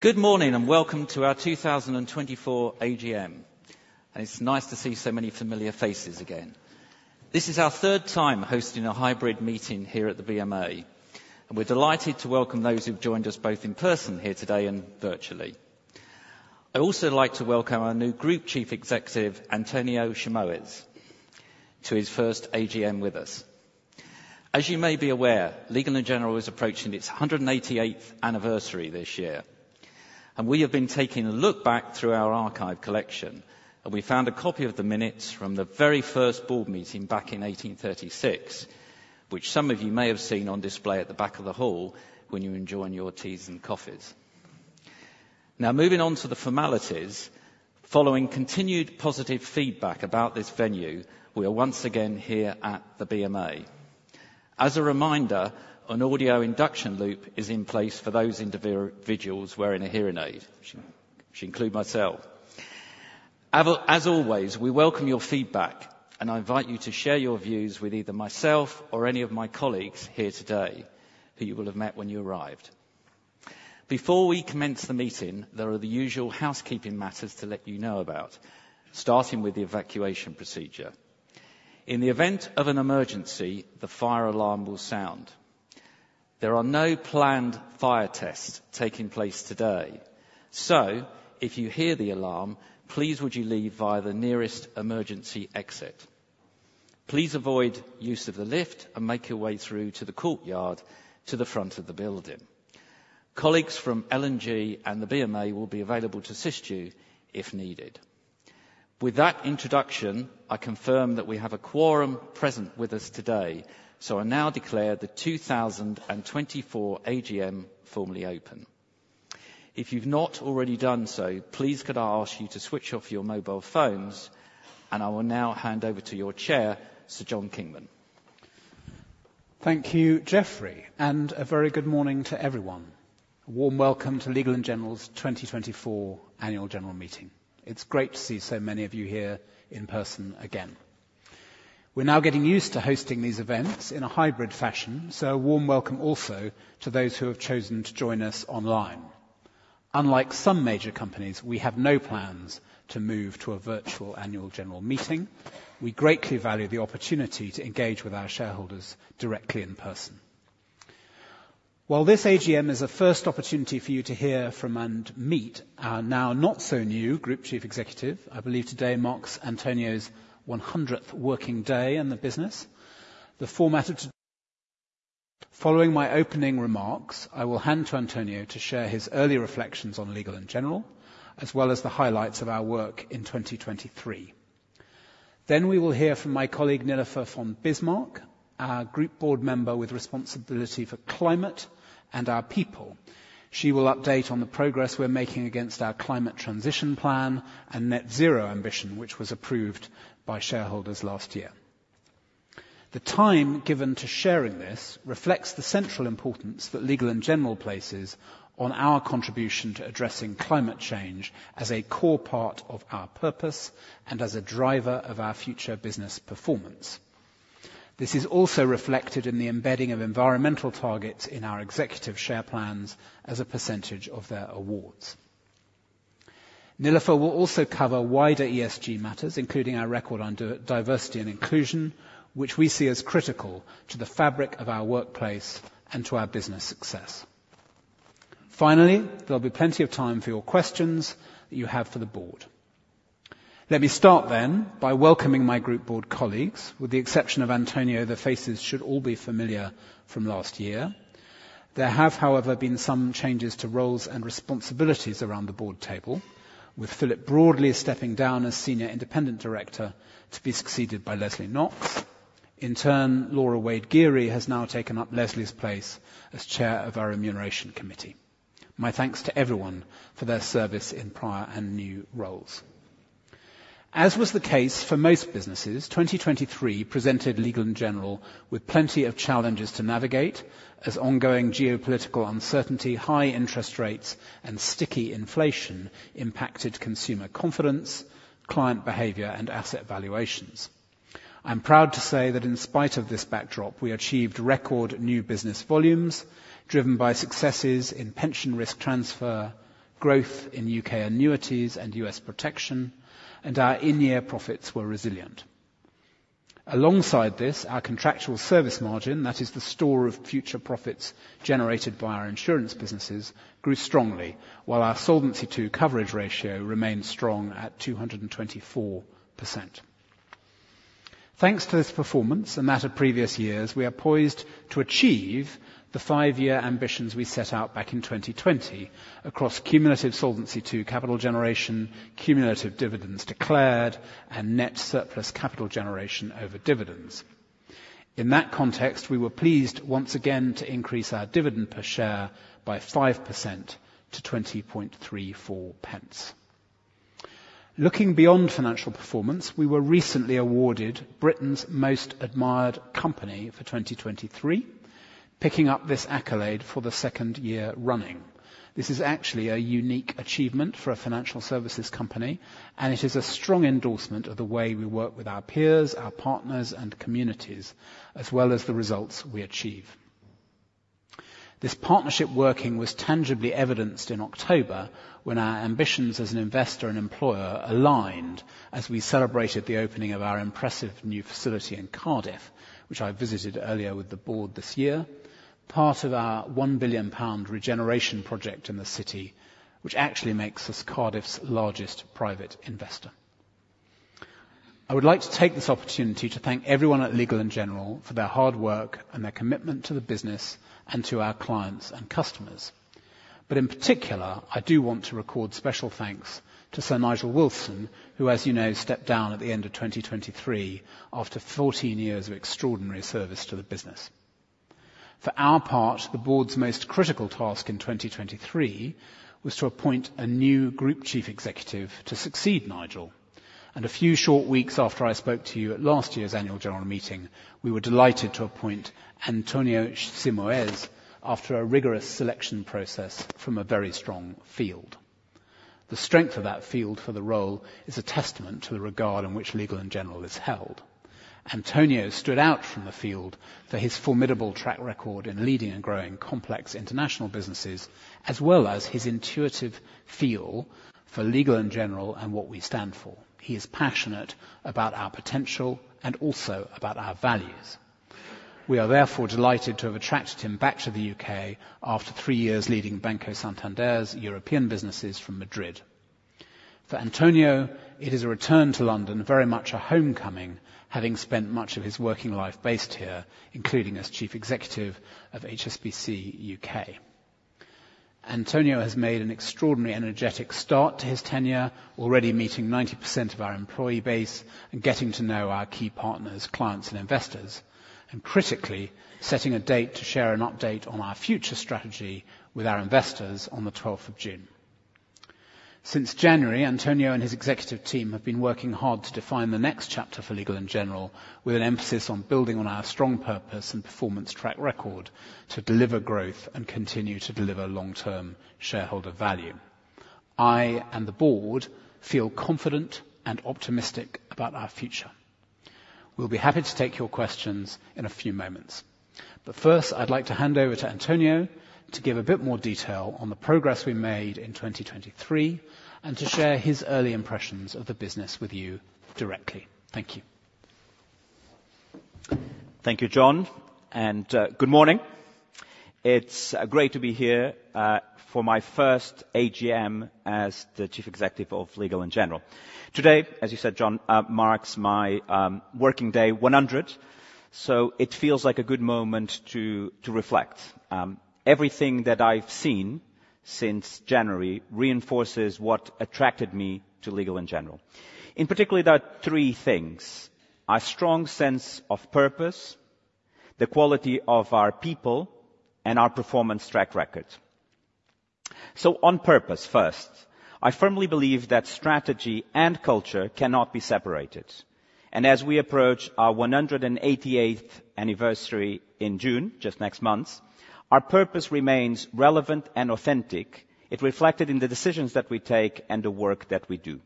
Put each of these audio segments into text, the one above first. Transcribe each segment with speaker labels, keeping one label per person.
Speaker 1: Good morning, and welcome to our 2024 AGM. It's nice to see so many familiar faces again. This is our third time hosting a hybrid meeting here at the BMA, and we're delighted to welcome those who've joined us, both in person here today and virtually. I'd also like to welcome our new Group Chief Executive, António Simões, to his first AGM with us. As you may be aware, Legal & General is approaching its 188th anniversary this year, and we have been taking a look back through our archive collection, and we found a copy of the minutes from the very first board meeting back in 1836, which some of you may have seen on display at the back of the hall when you were enjoying your teas and coffees. Now, moving on to the formalities. Following continued positive feedback about this venue, we are once again here at the BMA. As a reminder, an audio induction loop is in place for those individuals wearing a hearing aid, which include myself. As always, we welcome your feedback, and I invite you to share your views with either myself or any of my colleagues here today, who you will have met when you arrived. Before we commence the meeting, there are the usual housekeeping matters to let you know about, starting with the evacuation procedure. In the event of an emergency, the fire alarm will sound. There are no planned fire tests taking place today, so if you hear the alarm, please would you leave via the nearest emergency exit? Please avoid use of the lift and make your way through to the courtyard to the front of the building. Colleagues from L&G and the BMA will be available to assist you if needed. With that introduction, I confirm that we have a quorum present with us today, so I now declare the 2024 AGM formally open. If you've not already done so, please could I ask you to switch off your mobile phones, and I will now hand over to your Chair, Sir John Kingman.
Speaker 2: Thank you, Geoffrey, and a very good morning to everyone. A warm welcome to Legal & General's 2024 Annual General Meeting. It's great to see so many of you here in person again. We're now getting used to hosting these events in a hybrid fashion, so a warm welcome also to those who have chosen to join us online. Unlike some major companies, we have no plans to move to a virtual annual general meeting. We greatly value the opportunity to engage with our shareholders directly in person. While this AGM is a first opportunity for you to hear from and meet our now not so new Group Chief Executive, I believe today marks António's 100th working day in the business. The format of... Following my opening remarks, I will hand to António to share his early reflections on Legal & General, as well as the highlights of our work in 2023. Then we will hear from my colleague, Nilufer von Bismarck, our Group Board Member with responsibility for climate and our people. She will update on the progress we're making against our Climate Transition Plan and Net Zero ambition, which was approved by shareholders last year. The time given to sharing this reflects the central importance that Legal & General places on our contribution to addressing climate change as a core part of our purpose and as a driver of our future business performance. This is also reflected in the embedding of environmental targets in our executive share plans as a percentage of their awards. Nilufer will also cover wider ESG matters, including our record on diversity and inclusion, which we see as critical to the fabric of our workplace and to our business success. Finally, there'll be plenty of time for your questions that you have for the board. Let me start then by welcoming my group board colleagues. With the exception of António, the faces should all be familiar from last year. There have, however, been some changes to roles and responsibilities around the board table, with Philip Broadley stepping down as Senior Independent Director to be succeeded by Lesley Knox. In turn, Laura Wade-Gery has now taken up Lesley's place as Chair of our Remuneration Committee. My thanks to everyone for their service in prior and new roles. As was the case for most businesses, 2023 presented Legal & General with plenty of challenges to navigate as ongoing geopolitical uncertainty, high interest rates, and sticky inflation impacted consumer confidence, client behavior, and asset valuations. I'm proud to say that in spite of this backdrop, we achieved record new business volumes, driven by successes in pension risk transfer, growth in UK annuities and US protection, and our in-year profits were resilient. Alongside this, our contractual service margin, that is the store of future profits generated by our insurance businesses, grew strongly, while our Solvency II coverage ratio remained strong at 224%. Thanks to this performance, and that of previous years, we are poised to achieve the five-year ambitions we set out back in 2020 across cumulative Solvency II capital generation, cumulative dividends declared, and net surplus capital generation over dividends. In that context, we were pleased once again to increase our dividend per share by 5% to 0.2034. Looking beyond financial performance, we were recently awarded Britain's Most Admired Company for 2023, picking up this accolade for the second year running. This is actually a unique achievement for a financial services company, and it is a strong endorsement of the way we work with our peers, our partners, and communities, as well as the results we achieve.... This partnership working was tangibly evidenced in October, when our ambitions as an investor and employer aligned as we celebrated the opening of our impressive new facility in Cardiff, which I visited earlier with the board this year. Part of our 1 billion pound regeneration project in the city, which actually makes us Cardiff's largest private investor. I would like to take this opportunity to thank everyone at Legal & General for their hard work and their commitment to the business and to our clients and customers. But in particular, I do want to record special thanks to Sir Nigel Wilson, who, as you know, stepped down at the end of 2023 after 14 years of extraordinary service to the business. For our part, the board's most critical task in 2023 was to appoint a new Group Chief Executive to succeed Nigel. And a few short weeks after I spoke to you at last year's Annual General Meeting, we were delighted to appoint António Simões after a rigorous selection process from a very strong field. The strength of that field for the role is a testament to the regard in which Legal & General is held. António stood out from the field for his formidable track record in leading and growing complex international businesses, as well as his intuitive feel for Legal & General and what we stand for. He is passionate about our potential and also about our values. We are therefore delighted to have attracted him back to the U.K. after three years leading Banco Santander's European businesses from Madrid. For António, it is a return to London, very much a homecoming, having spent much of his working life based here, including as Chief Executive of HSBC U.K. António has made an extraordinary, energetic start to his tenure, already meeting 90% of our employee base and getting to know our key partners, clients, and investors, and critically, setting a date to share an update on our future strategy with our investors on the twelfth of June. Since January, António and his executive team have been working hard to define the next chapter for Legal & General, with an emphasis on building on our strong purpose and performance track record to deliver growth and continue to deliver long-term shareholder value. I and the board feel confident and optimistic about our future. We'll be happy to take your questions in a few moments. But first, I'd like to hand over to António to give a bit more detail on the progress we made in 2023, and to share his early impressions of the business with you directly. Thank you.
Speaker 3: Thank you, John, and good morning. It's great to be here for my first AGM as the Chief Executive of Legal & General. Today, as you said, John, marks my working day 100, so it feels like a good moment to reflect. Everything that I've seen since January reinforces what attracted me to Legal & General. In particular, there are three things: our strong sense of purpose, the quality of our people, and our performance track record. So on purpose, first, I firmly believe that strategy and culture cannot be separated. And as we approach our 188th anniversary in June, just next month, our purpose remains relevant and authentic. It's reflected in the decisions that we take and the work that we do.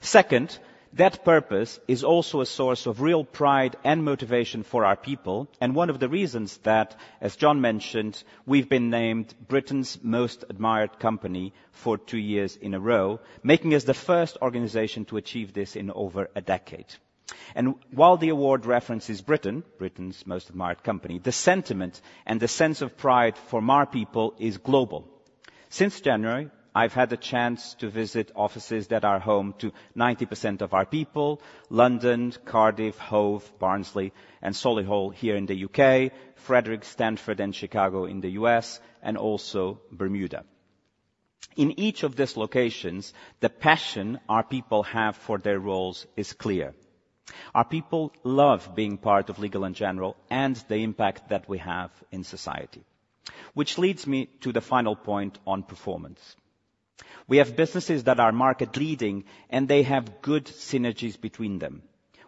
Speaker 3: Second, that purpose is also a source of real pride and motivation for our people, and one of the reasons that, as John mentioned, we've been named Britain's Most Admired Company for two years in a row, making us the first organization to achieve this in over a decade. While the award references Britain, Britain's Most Admired Company, the sentiment and the sense of pride for our people is global. Since January, I've had the chance to visit offices that are home to 90% of our people, London, Cardiff, Hove, Barnsley, and Solihull, here in the U.K., Frederick, Stamford, and Chicago in the U.S., and also Bermuda. In each of these locations, the passion our people have for their roles is clear. Our people love being part of Legal & General and the impact that we have in society. Which leads me to the final point on performance. We have businesses that are market leading, and they have good synergies between them.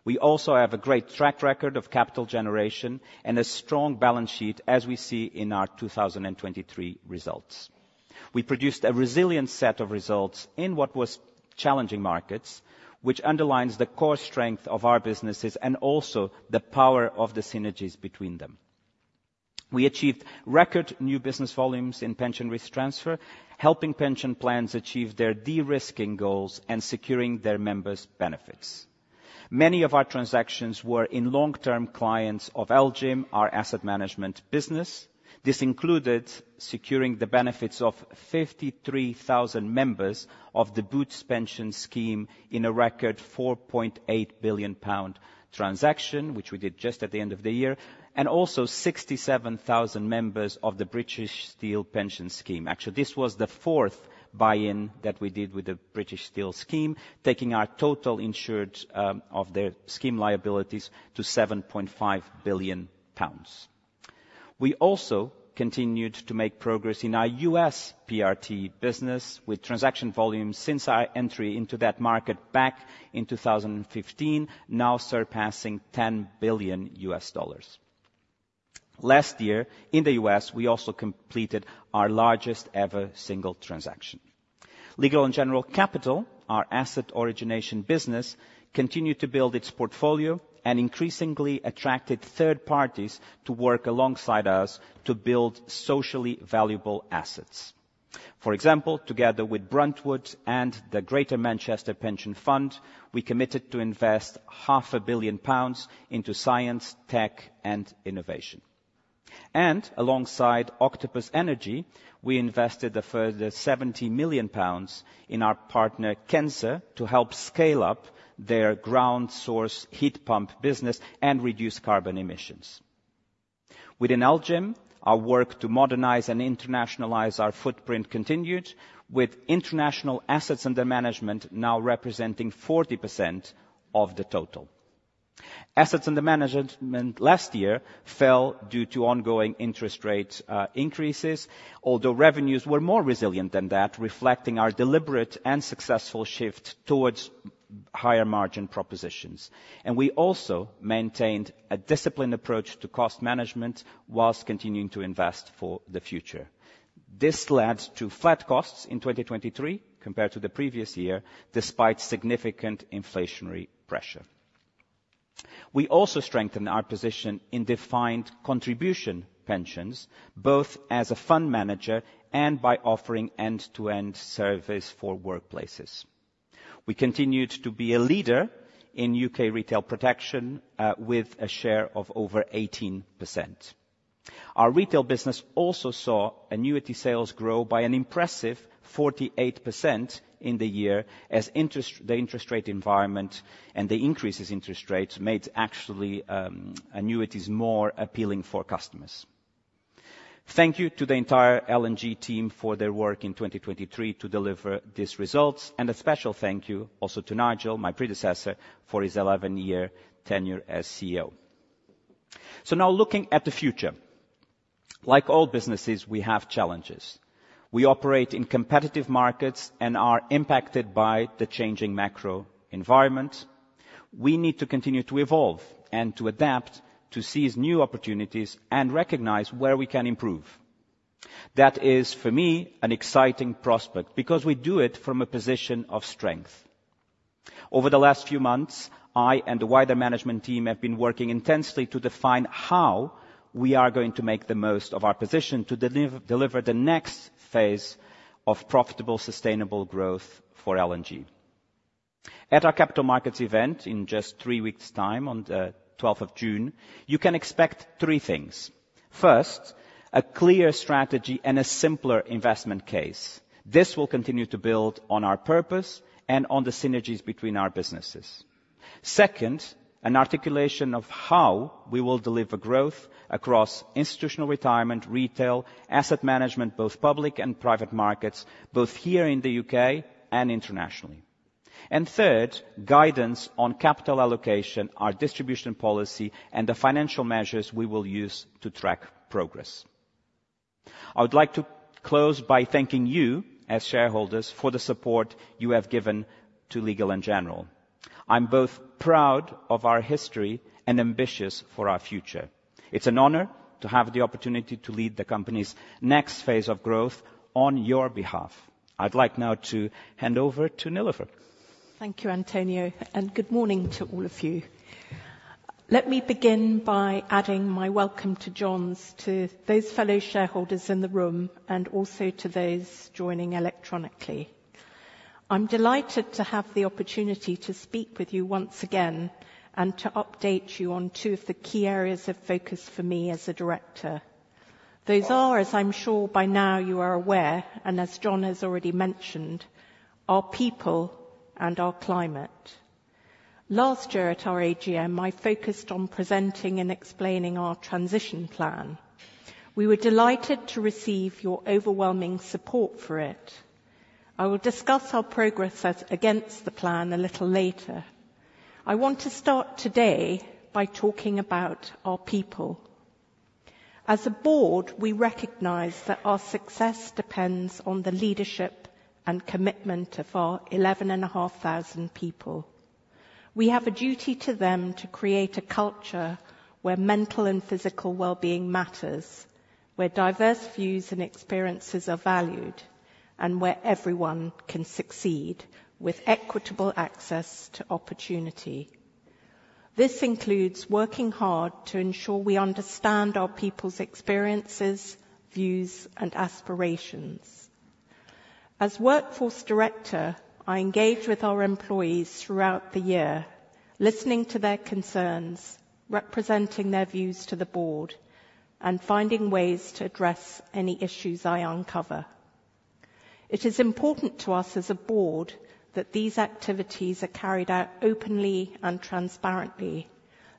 Speaker 3: We also have a great track record of capital generation and a strong balance sheet, as we see in our 2023 results. We produced a resilient set of results in what was challenging markets, which underlines the core strength of our businesses and also the power of the synergies between them. We achieved record new business volumes in pension risk transfer, helping pension plans achieve their de-risking goals and securing their members' benefits. Many of our transactions were in long-term clients of LGIM, our asset management business. This included securing the benefits of 53,000 members of the Boots pension scheme in a record 4.8 billion pound transaction, which we did just at the end of the year, and also 67,000 members of the British Steel pension scheme. Actually, this was the fourth buy-in that we did with the British Steel scheme, taking our total insured of their scheme liabilities to 7.5 billion pounds. We also continued to make progress in our US PRT business, with transaction volumes since our entry into that market back in 2015, now surpassing $10 billion. Last year, in the US, we also completed our largest-ever single transaction. Legal & General Capital, our asset origination business, continued to build its portfolio and increasingly attracted third parties to work alongside us to build socially valuable assets. For example, together with Bruntwood and the Greater Manchester Pension Fund, we committed to invest 500 million pounds into science, tech, and innovation. Alongside Octopus Energy, we invested a further 70 million pounds in our partner, Kensa, to help scale up their ground source heat pump business and reduce carbon emissions. Within LGIM, our work to modernize and internationalize our footprint continued, with international assets under management now representing 40% of the total. Assets under management last year fell due to ongoing interest rates, increases, although revenues were more resilient than that, reflecting our deliberate and successful shift towards higher margin propositions. And we also maintained a disciplined approach to cost management whilst continuing to invest for the future. This led to flat costs in 2023 compared to the previous year, despite significant inflationary pressure. We also strengthened our position in defined contribution pensions, both as a fund manager and by offering end-to-end service for workplaces. We continued to be a leader in UK retail protection with a share of over 18%. Our retail business also saw annuity sales grow by an impressive 48% in the year as the interest rate environment and the increases in interest rates made actually annuities more appealing for customers. Thank you to the entire L&G team for their work in 2023 to deliver these results, and a special thank you also to Nigel, my predecessor, for his 11-year tenure as CEO. So now looking at the future, like all businesses, we have challenges. We operate in competitive markets and are impacted by the changing macro environment. We need to continue to evolve and to adapt to seize new opportunities and recognize where we can improve. That is, for me, an exciting prospect because we do it from a position of strength. Over the last few months, I and the wider management team have been working intensely to define how we are going to make the most of our position to deliver the next phase of profitable, sustainable growth for L&G. At our capital markets event in just three weeks' time, on the 12th of June, you can expect three things. First, a clear strategy and a simpler investment case. This will continue to build on our purpose and on the synergies between our businesses. Second, an articulation of how we will deliver growth across institutional retirement, retail, asset management, both public and private markets, both here in the UK and internationally. And third, guidance on capital allocation, our distribution policy, and the financial measures we will use to track progress. I would like to close by thanking you, as shareholders, for the support you have given to Legal & General. I'm both proud of our history and ambitious for our future. It's an honor to have the opportunity to lead the company's next phase of growth on your behalf. I'd like now to hand over to Nilufer.
Speaker 4: Thank you, António, and good morning to all of you. Let me begin by adding my welcome to John's, to those fellow shareholders in the room, and also to those joining electronically. I'm delighted to have the opportunity to speak with you once again and to update you on two of the key areas of focus for me as a director. Those are, as I'm sure by now you are aware, and as John has already mentioned, our people and our climate. Last year at our AGM, I focused on presenting and explaining our transition plan. We were delighted to receive your overwhelming support for it. I will discuss our progress against the plan a little later. I want to start today by talking about our people. As a board, we recognize that our success depends on the leadership and commitment of our 11,500 people. We have a duty to them to create a culture where mental and physical well-being matters, where diverse views and experiences are valued, and where everyone can succeed with equitable access to opportunity. This includes working hard to ensure we understand our people's experiences, views, and aspirations. As workforce director, I engage with our employees throughout the year, listening to their concerns, representing their views to the board, and finding ways to address any issues I uncover. It is important to us as a board that these activities are carried out openly and transparently,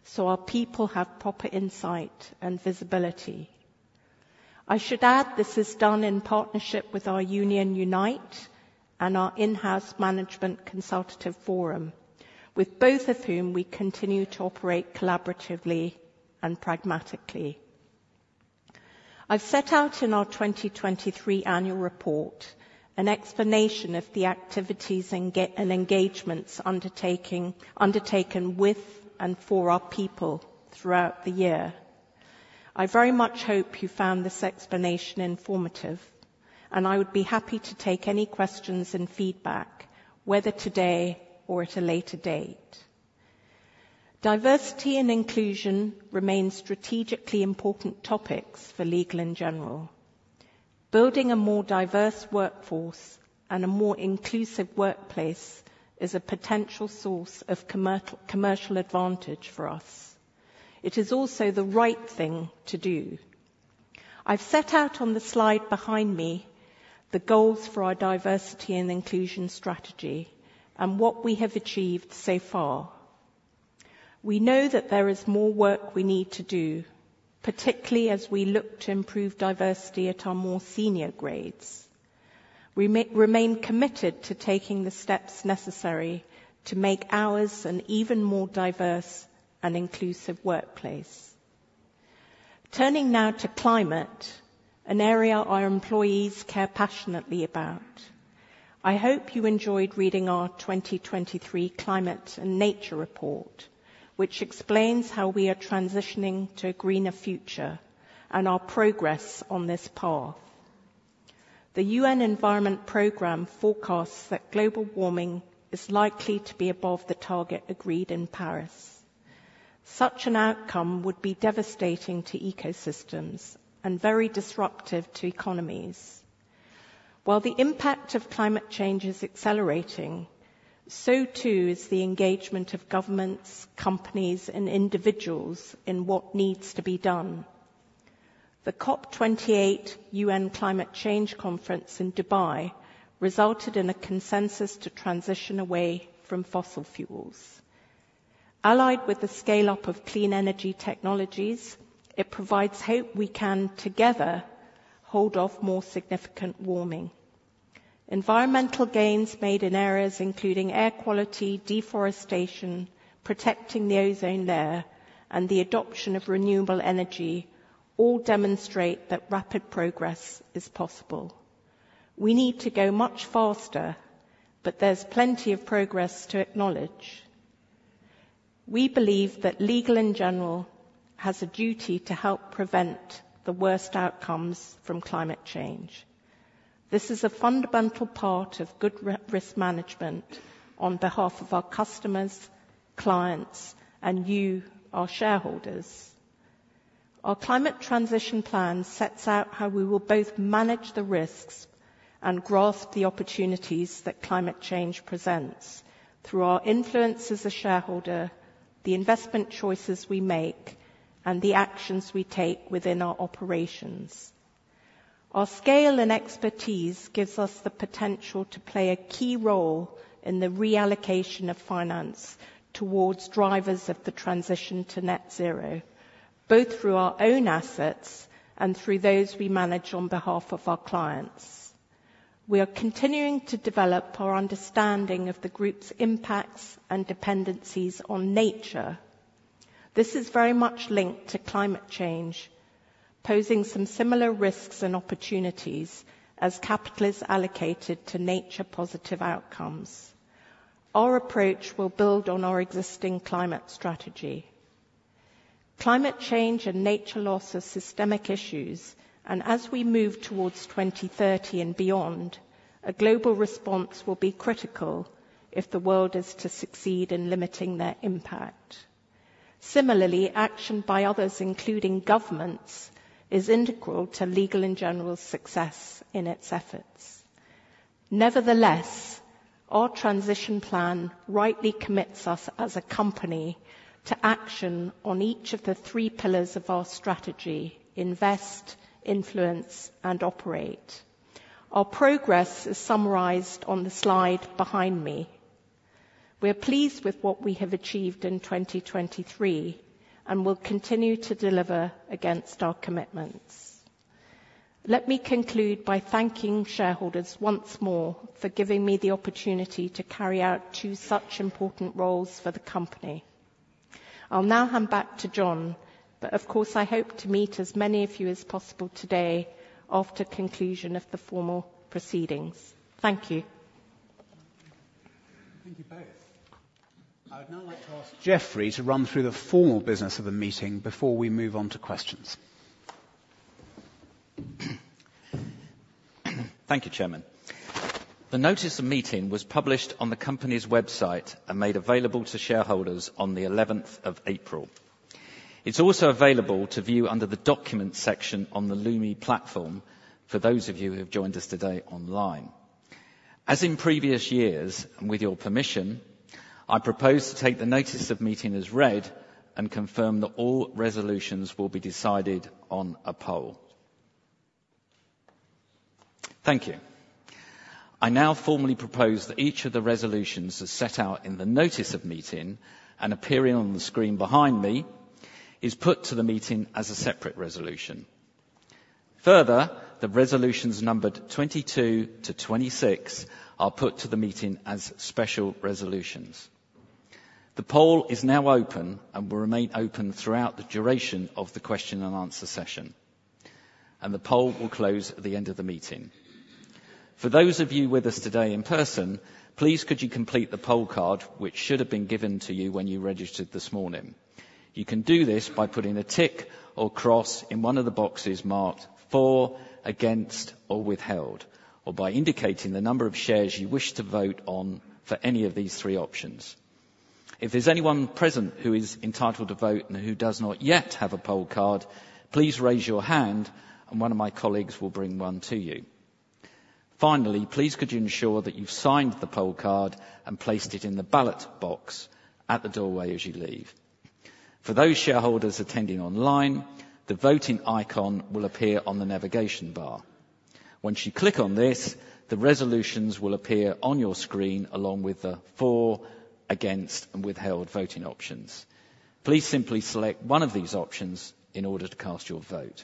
Speaker 4: so our people have proper insight and visibility. I should add, this is done in partnership with our union, Unite, and our in-house management consultative forum, with both of whom we continue to operate collaboratively and pragmatically. I've set out in our 2023 annual report an explanation of the activities and engagements undertaken with and for our people throughout the year. I very much hope you found this explanation informative, and I would be happy to take any questions and feedback, whether today or at a later date. Diversity and inclusion remain strategically important topics for Legal & General. Building a more diverse workforce and a more inclusive workplace is a potential source of commercial advantage for us. It is also the right thing to do. I've set out on the slide behind me the goals for our diversity and inclusion strategy and what we have achieved so far. We know that there is more work we need to do, particularly as we look to improve diversity at our more senior grades. We remain committed to taking the steps necessary to make ours an even more diverse and inclusive workplace. Turning now to climate, an area our employees care passionately about. I hope you enjoyed reading our 2023 Climate and Nature Report, which explains how we are transitioning to a greener future and our progress on this path. The UN Environment Program forecasts that global warming is likely to be above the target agreed in Paris. Such an outcome would be devastating to ecosystems and very disruptive to economies. While the impact of climate change is accelerating, so too is the engagement of governments, companies, and individuals in what needs to be done. The COP 28 UN Climate Change Conference in Dubai resulted in a consensus to transition away from fossil fuels. Allied with the scale-up of clean energy technologies, it provides hope we can, together, hold off more significant warming. Environmental gains made in areas including air quality, deforestation, protecting the ozone layer, and the adoption of renewable energy, all demonstrate that rapid progress is possible. We need to go much faster, but there's plenty of progress to acknowledge. We believe that Legal & General has a duty to help prevent the worst outcomes from climate change. This is a fundamental part of good risk management on behalf of our customers, clients, and you, our shareholders. Our climate transition plan sets out how we will both manage the risks and grasp the opportunities that climate change presents through our influence as a shareholder, the investment choices we make, and the actions we take within our operations. Our scale and expertise gives us the potential to play a key role in the reallocation of finance towards drivers of the transition to net zero, both through our own assets and through those we manage on behalf of our clients. We are continuing to develop our understanding of the group's impacts and dependencies on nature. This is very much linked to climate change, posing some similar risks and opportunities as capital is allocated to nature-positive outcomes. Our approach will build on our existing climate strategy. Climate change and nature loss are systemic issues, and as we move towards 2030 and beyond, a global response will be critical if the world is to succeed in limiting their impact. Similarly, action by others, including governments, is integral to Legal & General's success in its efforts. Nevertheless, our transition plan rightly commits us, as a company, to action on each of the three pillars of our strategy: invest, influence, and operate. Our progress is summarized on the slide behind me. We are pleased with what we have achieved in 2023, and we'll continue to deliver against our commitments. Let me conclude by thanking shareholders once more for giving me the opportunity to carry out two such important roles for the company. I'll now hand back to John, but of course, I hope to meet as many of you as possible today after conclusion of the formal proceedings. Thank you.
Speaker 2: Thank you both. I would now like to ask Jeff to run through the formal business of the meeting before we move on to questions.
Speaker 1: Thank you, Chairman. The notice of meeting was published on the company's website and made available to shareholders on the eleventh of April. It's also available to view under the Documents section on the Lumi platform for those of you who have joined us today online. As in previous years, and with your permission, I propose to take the notice of meeting as read and confirm that all resolutions will be decided on a poll. Thank you. I now formally propose that each of the resolutions, as set out in the notice of meeting and appearing on the screen behind me, is put to the meeting as a separate resolution. Further, the resolutions numbered 22-26 are put to the meeting as special resolutions. The poll is now open and will remain open throughout the duration of the question and answer session.... The poll will close at the end of the meeting. For those of you with us today in person, please could you complete the poll card, which should have been given to you when you registered this morning? You can do this by putting a tick or cross in one of the boxes marked For, Against, or Withheld, or by indicating the number of shares you wish to vote on for any of these three options. If there's anyone present who is entitled to vote and who does not yet have a poll card, please raise your hand, and one of my colleagues will bring one to you. Finally, please could you ensure that you've signed the poll card and placed it in the ballot box at the doorway as you leave. For those shareholders attending online, the voting icon will appear on the navigation bar. Once you click on this, the resolutions will appear on your screen, along with the For, Against, and Withheld voting options. Please simply select one of these options in order to cast your vote.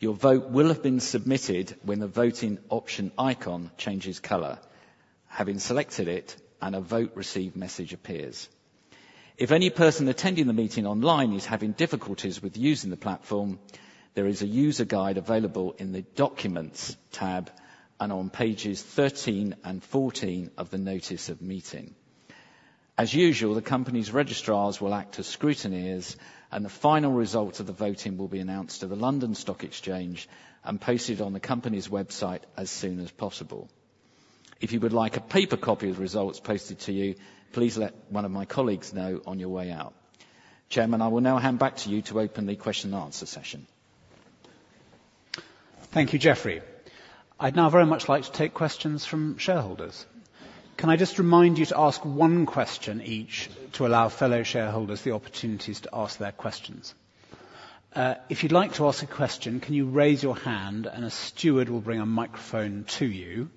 Speaker 1: Your vote will have been submitted when the voting option icon changes color, having selected it, and a Vote Received message appears. If any person attending the meeting online is having difficulties with using the platform, there is a user guide available in the Documents tab and on pages 13 and 14 of the notice of meeting. As usual, the company's registrars will act as scrutineers, and the final results of the voting will be announced to the London Stock Exchange and posted on the company's website as soon as possible. If you would like a paper copy of the results posted to you, please let one of my colleagues know on your way out. Chairman, I will now hand back to you to open the question and answer session.
Speaker 2: Thank you, Geoffrey. I'd now very much like to take questions from shareholders. Can I just remind you to ask one question each, to allow fellow shareholders the opportunities to ask their questions? If you'd like to ask a question, can you raise your hand and a steward will bring a microphone to you.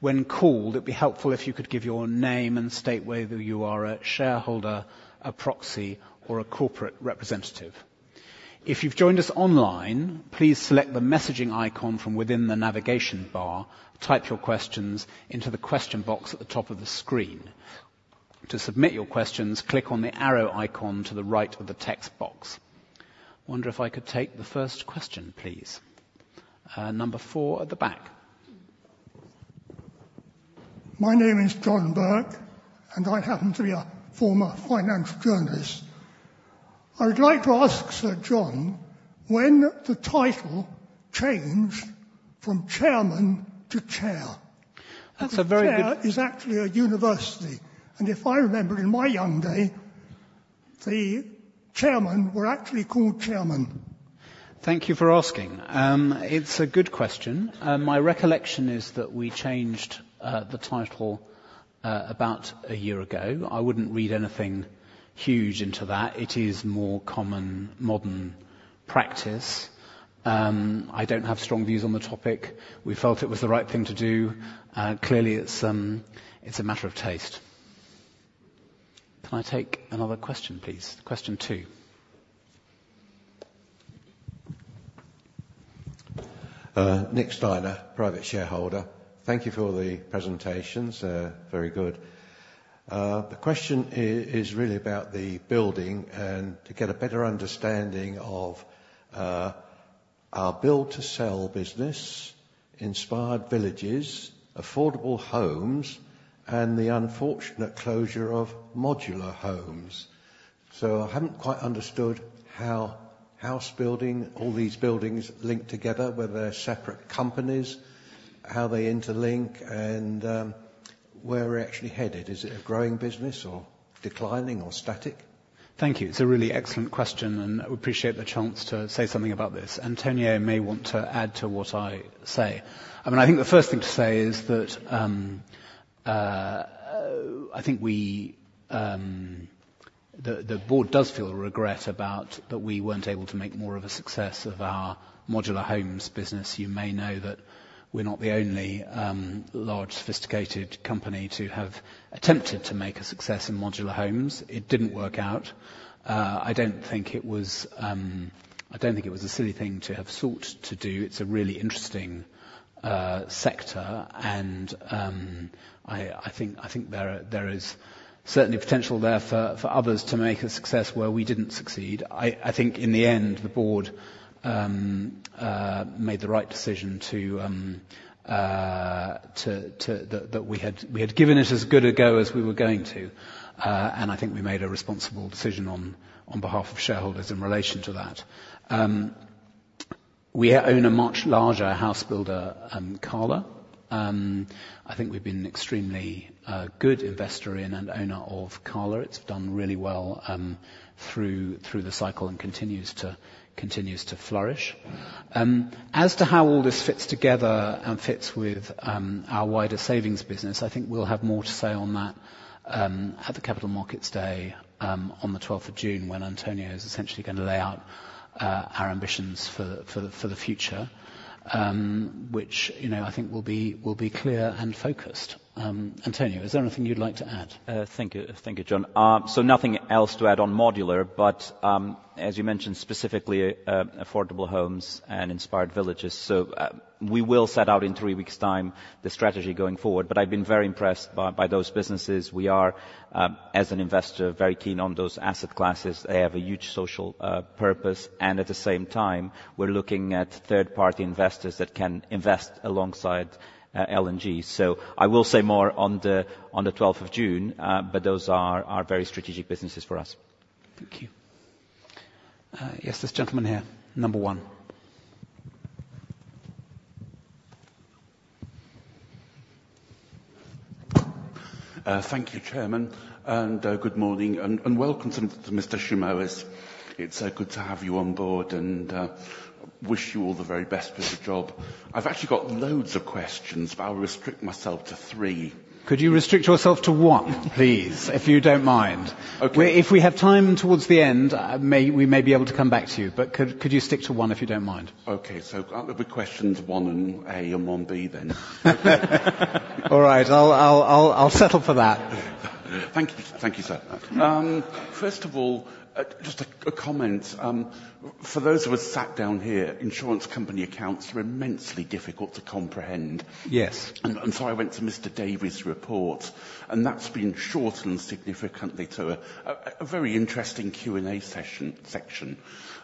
Speaker 2: When called, it'd be helpful if you could give your name and state whether you are a shareholder, a proxy, or a corporate representative. If you've joined us online, please select the messaging icon from within the navigation bar. Type your questions into the question box at the top of the screen. To submit your questions, click on the arrow icon to the right of the text box. I wonder if I could take the first question, please. Number four at the back.
Speaker 5: My name is John Burke, and I happen to be a former financial journalist. I would like to ask Sir John when the title changed from chairman to chair.
Speaker 2: That's a very good-
Speaker 5: A chair is actually a university, and if I remember in my young day, the chairman were actually called chairman.
Speaker 2: Thank you for asking. It's a good question. My recollection is that we changed the title about a year ago. I wouldn't read anything huge into that. It is more common modern practice. I don't have strong views on the topic. We felt it was the right thing to do, and clearly it's a matter of taste. Can I take another question, please? Question two.
Speaker 5: Nick Steiner, private shareholder. Thank you for the presentations. Very good. The question is really about the building and to get a better understanding of our build-to-sell business, Inspired Villages, affordable homes, and the unfortunate closure of modular homes. So I haven't quite understood how house building, all these buildings link together, whether they're separate companies, how they interlink, and where we're actually headed. Is it a growing business, or declining, or static?
Speaker 2: Thank you. It's a really excellent question, and I appreciate the chance to say something about this. António may want to add to what I say. I mean, I think the first thing to say is that, I think we, the board does feel regret about that we weren't able to make more of a success of our Modular Homes business. You may know that we're not the only, large, sophisticated company to have attempted to make a success in modular homes. It didn't work out. I don't think it was, I don't think it was a silly thing to have sought to do. It's a really interesting, sector, and, I, I think, I think there, there is certainly potential there for, for others to make a success where we didn't succeed. I think in the end, the board made the right decision. That we had given it as good a go as we were going to, and I think we made a responsible decision on behalf of shareholders in relation to that. We own a much larger house builder, Cala. I think we've been an extremely good investor in and owner of Cala. It's done really well, through the cycle and continues to flourish. As to how all this fits together and fits with our wider savings business, I think we'll have more to say on that at the Capital Markets Day on the twelfth of June, when Antonio is essentially gonna lay out our ambitions for the future, which, you know, I think will be clear and focused. Antonio, is there anything you'd like to add?
Speaker 5: Thank you. Thank you, John. So nothing else to add on modular, but, as you mentioned, specifically, affordable homes and Inspired Villages. So, we will set out in three weeks' time the strategy going forward, but I've been very impressed by, by those businesses. We are, as an investor, very keen on those asset classes. They have a huge social, purpose, and at the same time, we're looking at third-party investors that can invest alongside, L&G. So I will say more on the, on the twelfth of June, but those are, are very strategic businesses for us.
Speaker 2: Thank you. Yes, this gentleman here, number one.
Speaker 5: Thank you, Chairman, and good morning, and welcome to Mr. Simões. It's good to have you on board, and wish you all the very best with the job. I've actually got loads of questions, but I'll restrict myself to three. Could you restrict yourself to one, please, if you don't mind?
Speaker 2: Okay.
Speaker 5: If we have time towards the end, we may be able to come back to you, but could you stick to one, if you don't mind?
Speaker 2: Okay, so that'll be questions one and A, and one B, then. All right, I'll settle for that.
Speaker 5: Thank you. Thank you, sir. First of all, just a comment. For those of us sat down here, insurance company accounts are immensely difficult to comprehend.
Speaker 2: Yes.
Speaker 5: So I went to Mr. Davies' report, and that's been shortened significantly to a very interesting Q&A section.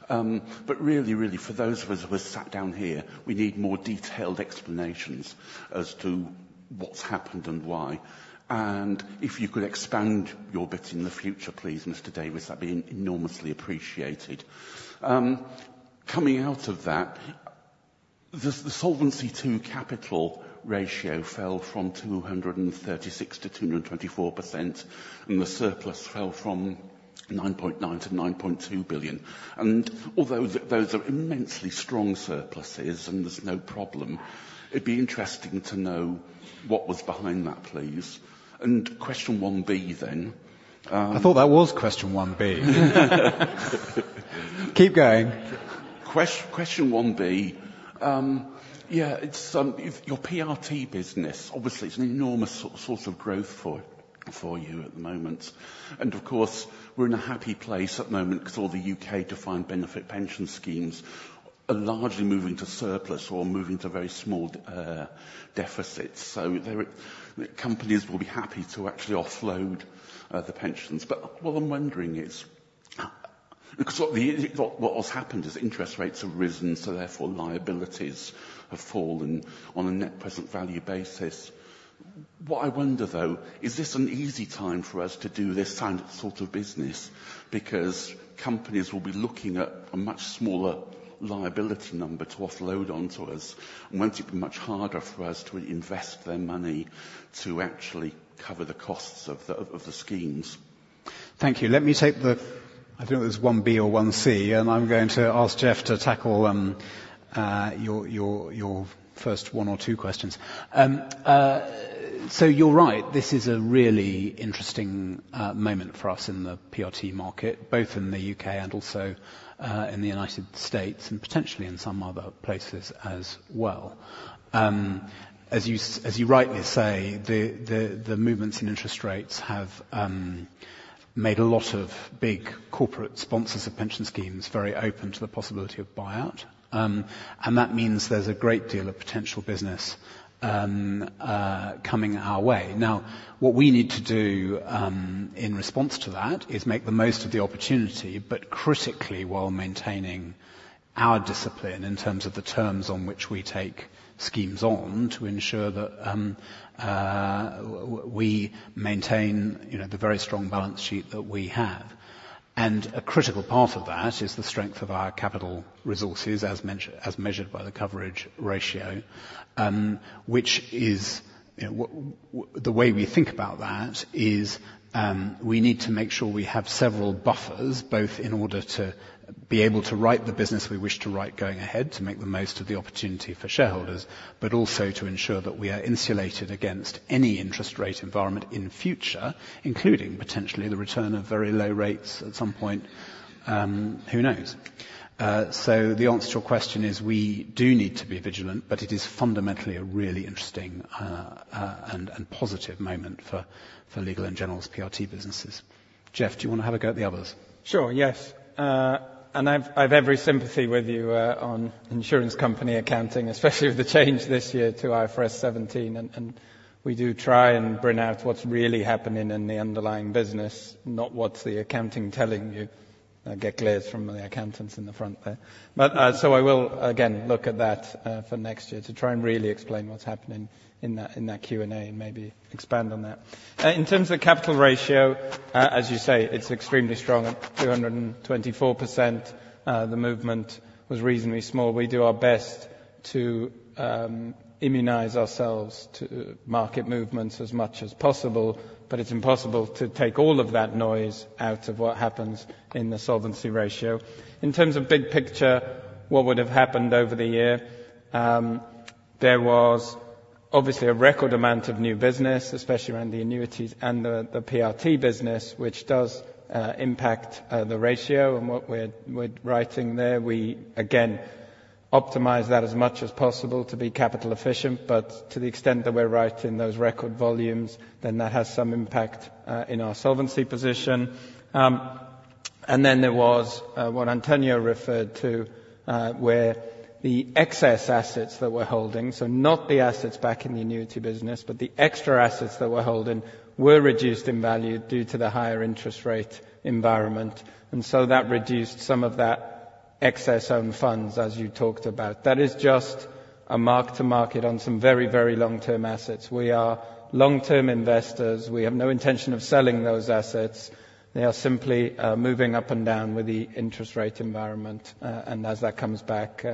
Speaker 5: But really, really, for those of us who are sat down here, we need more detailed explanations as to what's happened and why. And if you could expand your bit in the future, please, Mr. Davies, that'd be enormously appreciated. Coming out of that, the Solvency II capital ratio fell from 236% to 224%, and the surplus fell from 9.9 billion to 9.2 billion. And although those are immensely strong surpluses and there's no problem, it'd be interesting to know what was behind that, please. And question one B, then.
Speaker 2: I thought that was question 1 B. Keep going.
Speaker 5: Question one B. Yeah, it's, if... Your PRT business, obviously, it's an enormous source of growth for you at the moment. And of course, we're in a happy place at the moment because all the UK defined benefit pension schemes are largely moving to surplus or moving to very small deficits. So there are... Companies will be happy to actually offload the pensions. But what I'm wondering is, because what has happened is interest rates have risen, so therefore, liabilities have fallen on a net present value basis. What I wonder, though, is this an easy time for us to do this kind of sort of business? Because companies will be looking at a much smaller liability number to offload onto us, and won't it be much harder for us to invest their money to actually cover the costs of the schemes?
Speaker 2: Thank you. Let me take the… I don't know if it's one B or one C, and I'm going to ask Jeff to tackle your first one or two questions. You're right, this is a really interesting moment for us in the PRT market, both in the UK and also in the United States, and potentially in some other places as well. As you rightly say, the movements in interest rates have made a lot of big corporate sponsors of pension schemes very open to the possibility of buyout. That means there's a great deal of potential business coming our way. Now, what we need to do, in response to that, is make the most of the opportunity, but critically, while maintaining our discipline in terms of the terms on which we take schemes on, to ensure that, we maintain, you know, the very strong balance sheet that we have. And a critical part of that is the strength of our capital resources, as measured by the coverage ratio. Which is, you know, the way we think about that is, we need to make sure we have several buffers, both in order to be able to write the business we wish to write, going ahead, to make the most of the opportunity for shareholders, but also to ensure that we are insulated against any interest rate environment in future, including potentially the return of very low rates at some point. Who knows? So the answer to your question is, we do need to be vigilant, but it is fundamentally a really interesting and positive moment for Legal & General's PRT businesses. Jeff, do you want to have a go at the others?
Speaker 6: Sure. Yes. And I've every sympathy with you on insurance company accounting, especially with the change this year to IFRS 17, and we do try and bring out what's really happening in the underlying business, not what's the accounting telling you. I get glares from the accountants in the front there. But so I will, again, look at that for next year, to try and really explain what's happening in that, in that Q&A, and maybe expand on that. In terms of capital ratio, as you say, it's extremely strong, at 224%. The movement was reasonably small. We do our best to immunize ourselves to market movements as much as possible, but it's impossible to take all of that noise out of what happens in the solvency ratio. In terms of big picture, what would have happened over the year, there was obviously a record amount of new business, especially around the annuities and the PRT business, which does impact the ratio and what we're writing there. We again optimize that as much as possible to be capital efficient, but to the extent that we're writing those record volumes, then that has some impact in our solvency position. And then there was what António referred to, where the excess assets that we're holding, so not the assets back in the annuity business, but the extra assets that we're holding, were reduced in value due to the higher interest rate environment. And so that reduced some of that excess own funds, as you talked about. That is just-... a mark to market on some very, very long-term assets. We are long-term investors. We have no intention of selling those assets. They are simply, moving up and down with the interest rate environment, and as that comes back,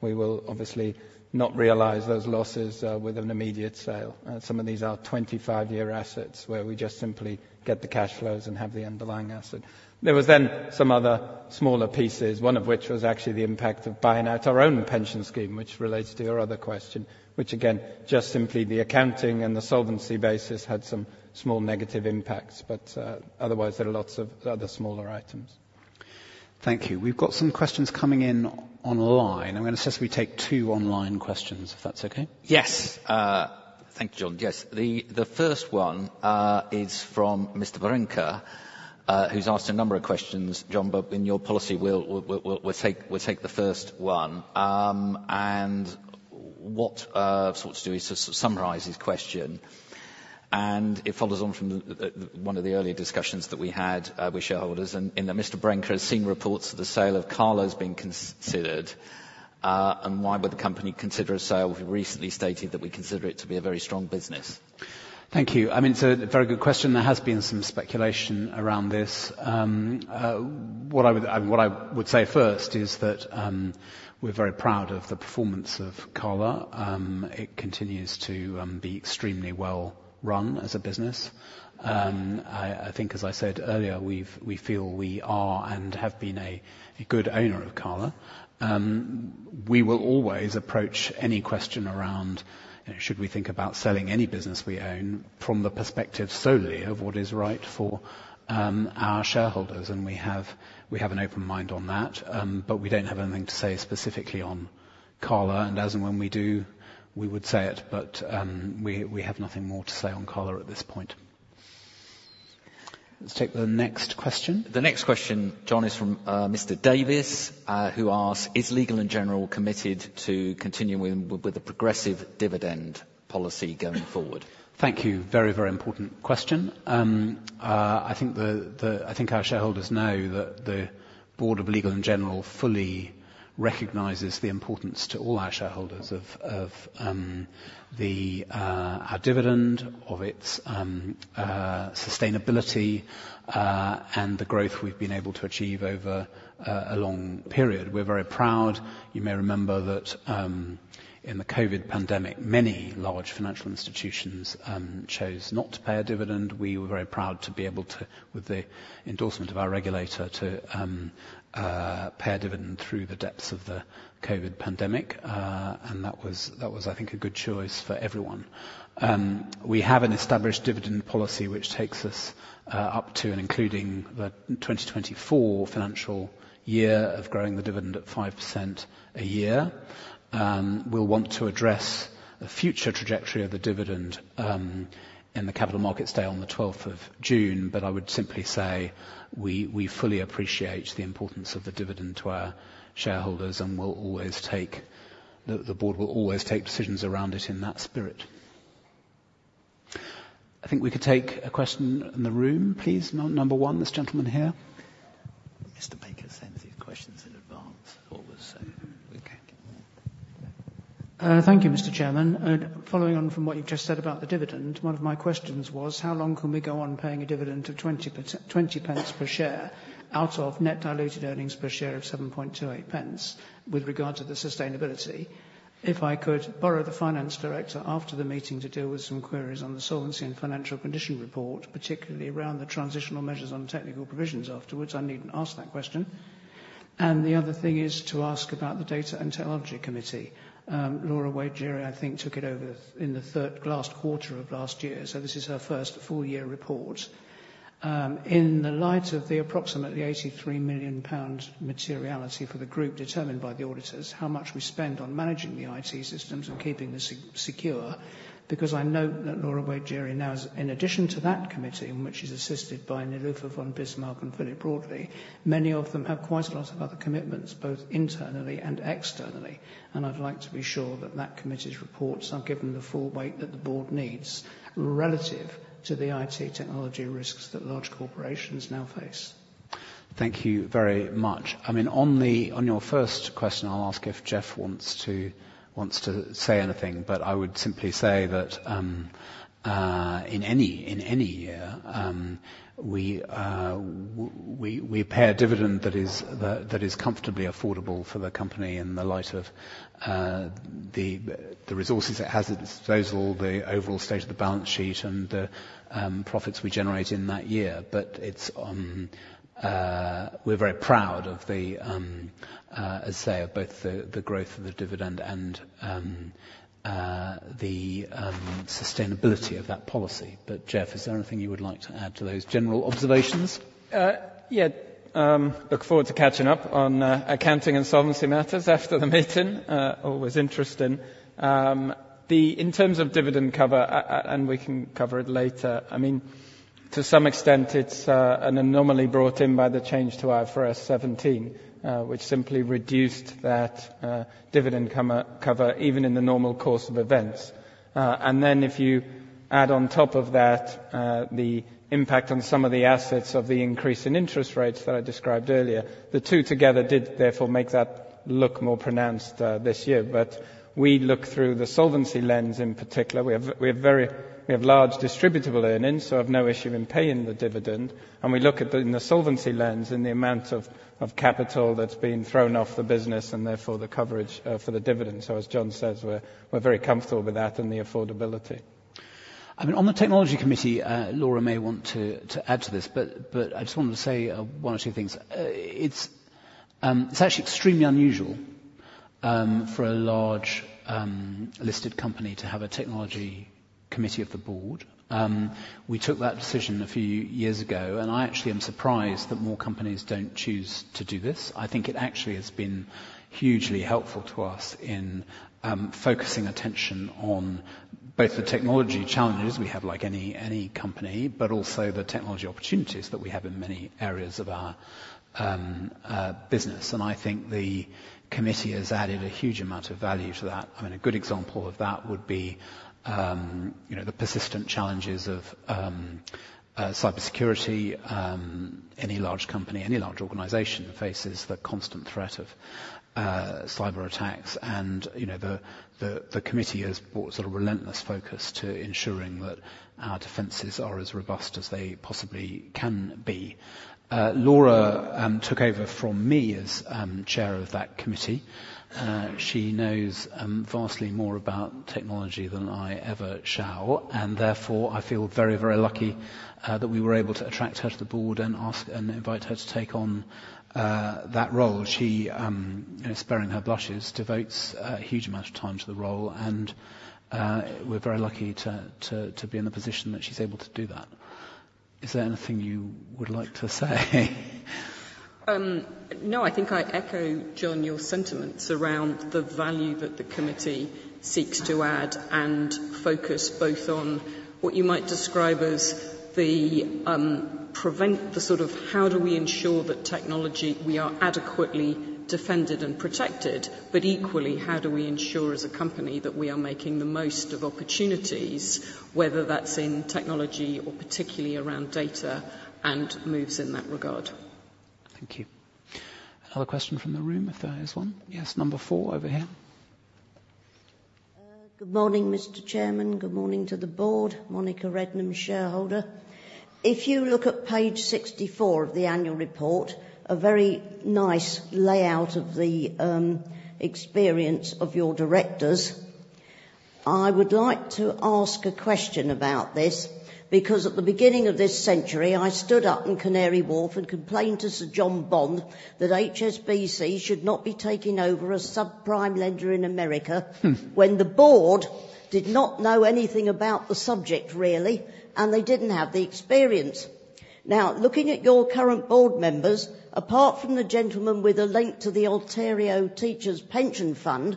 Speaker 6: we will obviously not realize those losses, with an immediate sale. Some of these are 25-year assets, where we just simply get the cash flows and have the underlying asset. There was then some other smaller pieces, one of which was actually the impact of buying out our own pension scheme, which relates to your other question, which again, just simply the accounting and the solvency basis had some small negative impacts. But, otherwise, there are lots of other smaller items.
Speaker 2: Thank you. We've got some questions coming in online. I'm gonna suggest we take two online questions, if that's okay?
Speaker 1: Yes. Thank you, John. Yes, the first one is from Mr. Brinker, who's asked a number of questions, John, but in your policy we'll take the first one. So to summarize his question, and it follows on from the one of the earlier discussions that we had with shareholders. And Mr. Brinker has seen reports of the sale of Cala's being considered, and why would the company consider a sale if we recently stated that we consider it to be a very strong business?
Speaker 2: Thank you. I mean, it's a very good question. There has been some speculation around this. What I would say first is that we're very proud of the performance of Cala. It continues to be extremely well-run as a business. I think as I said earlier, we feel we are, and have been a good owner of Cala. We will always approach any question around, should we think about selling any business we own from the perspective solely of what is right for our shareholders, and we have an open mind on that. But we don't have anything to say specifically on Cala, and as and when we do, we would say it. But we have nothing more to say on Cala at this point. Let's take the next question.
Speaker 1: The next question, John, is from Mr. Davis, who asks, "Is Legal & General committed to continuing with a progressive dividend policy going forward?
Speaker 2: Thank you. Very, very important question. I think the, the, I think our shareholders know that the Board of Legal & General fully recognizes the importance to all our shareholders of, of, the, our dividend, of its, sustainability, and the growth we've been able to achieve over, a long period. We're very proud. You may remember that, in the COVID pandemic, many large financial institutions, chose not to pay a dividend. We were very proud to be able to, with the endorsement of our regulator, to, pay a dividend through the depths of the COVID pandemic. And that was, that was, I think, a good choice for everyone. We have an established dividend policy which takes us, up to, and including the 2024 financial year of growing the dividend at 5% a year. We'll want to address the future trajectory of the dividend in the Capital Markets Day on the 12th of June. But I would simply say, we, we fully appreciate the importance of the dividend to our shareholders, and we'll always take... The, the board will always take decisions around it in that spirit. I think we could take a question in the room, please. Number 1, this gentleman here.
Speaker 1: Mr. Baker sends these questions in advance always, so we okay.
Speaker 7: Thank you, Mr. Chairman. Following on from what you've just said about the dividend, one of my questions was, how long can we go on paying a dividend of 20 pence per share out of net diluted earnings per share of 7.28 pence with regard to the sustainability? If I could borrow the finance director after the meeting to deal with some queries on the solvency and financial condition report, particularly around the transitional measures on technical provisions afterwards, I need not ask that question. The other thing is to ask about the Data and Technology Committee. Laura Wade-Gery, I think, took it over in the last quarter of last year, so this is her first full year report. In the light of the approximately 83 million pounds materiality for the group determined by the auditors, how much we spend on managing the IT systems and keeping them secure? Because I know that Laura Wade-Gery now, in addition to that committee, in which she's assisted by Nilufer von Bismarck and Philip Broadley, many of them have quite a lot of other commitments, both internally and externally. And I'd like to be sure that that committee's reports are given the full weight that the board needs relative to the IT technology risks that large corporations now face.
Speaker 2: Thank you very much. I mean, on your first question, I'll ask if Jeff wants to say anything, but I would simply say that in any year we pay a dividend that is comfortably affordable for the company in the light of the resources it has at its disposal, the overall state of the balance sheet and the profits we generate in that year. But we're very proud of the, as I say, of both the growth of the dividend and the sustainability of that policy. But Jeff, is there anything you would like to add to those general observations?
Speaker 6: Yeah, look forward to catching up on accounting and solvency matters after the meeting. Always interesting. In terms of dividend cover, and we can cover it later, I mean- ...To some extent, it's an anomaly brought in by the change to IFRS 17, which simply reduced that dividend cover even in the normal course of events. And then if you add on top of that, the impact on some of the assets of the increase in interest rates that I described earlier, the two together did therefore make that look more pronounced this year. But we look through the solvency lens in particular. We have very large distributable earnings, so have no issue in paying the dividend, and we look at the, in the solvency lens, the amount of capital that's been thrown off the business and therefore the coverage for the dividend. So as John says, we're very comfortable with that and the affordability.
Speaker 2: I mean, on the technology committee, Laura may want to add to this, but I just wanted to say one or two things. It's actually extremely unusual for a large listed company to have a technology committee of the board. We took that decision a few years ago, and I actually am surprised that more companies don't choose to do this. I think it actually has been hugely helpful to us in focusing attention on both the technology challenges we have, like any company, but also the technology opportunities that we have in many areas of our business. And I think the committee has added a huge amount of value to that. I mean, a good example of that would be, you know, the persistent challenges of cybersecurity. Any large company, any large organization faces the constant threat of cyberattacks, and, you know, the committee has brought sort of relentless focus to ensuring that our defenses are as robust as they possibly can be. Laura took over from me as chair of that committee. She knows vastly more about technology than I ever shall, and therefore, I feel very, very lucky that we were able to attract her to the board and ask and invite her to take on that role. She, sparing her blushes, devotes a huge amount of time to the role, and we're very lucky to be in a position that she's able to do that. Is there anything you would like to say?
Speaker 8: No, I think I echo, John, your sentiments around the value that the committee seeks to add and focus both on what you might describe as the sort of how do we ensure that technology, we are adequately defended and protected, but equally, how do we ensure as a company that we are making the most of opportunities, whether that's in technology or particularly around data and moves in that regard?
Speaker 2: Thank you. Another question from the room, if there is one. Yes, number four over here.
Speaker 9: Good morning, Mr. Chairman. Good morning to the board. Monica Rednam, shareholder. If you look at page 64 of the annual report, a very nice layout of the experience of your directors, I would like to ask a question about this, because at the beginning of this century, I stood up in Canary Wharf and complained to Sir John Bond that HSBC should not be taking over a subprime lender in America, when the board did not know anything about the subject, really, and they didn't have the experience. Now, looking at your current board members, apart from the gentleman with a link to the Ontario Teachers' Pension Fund,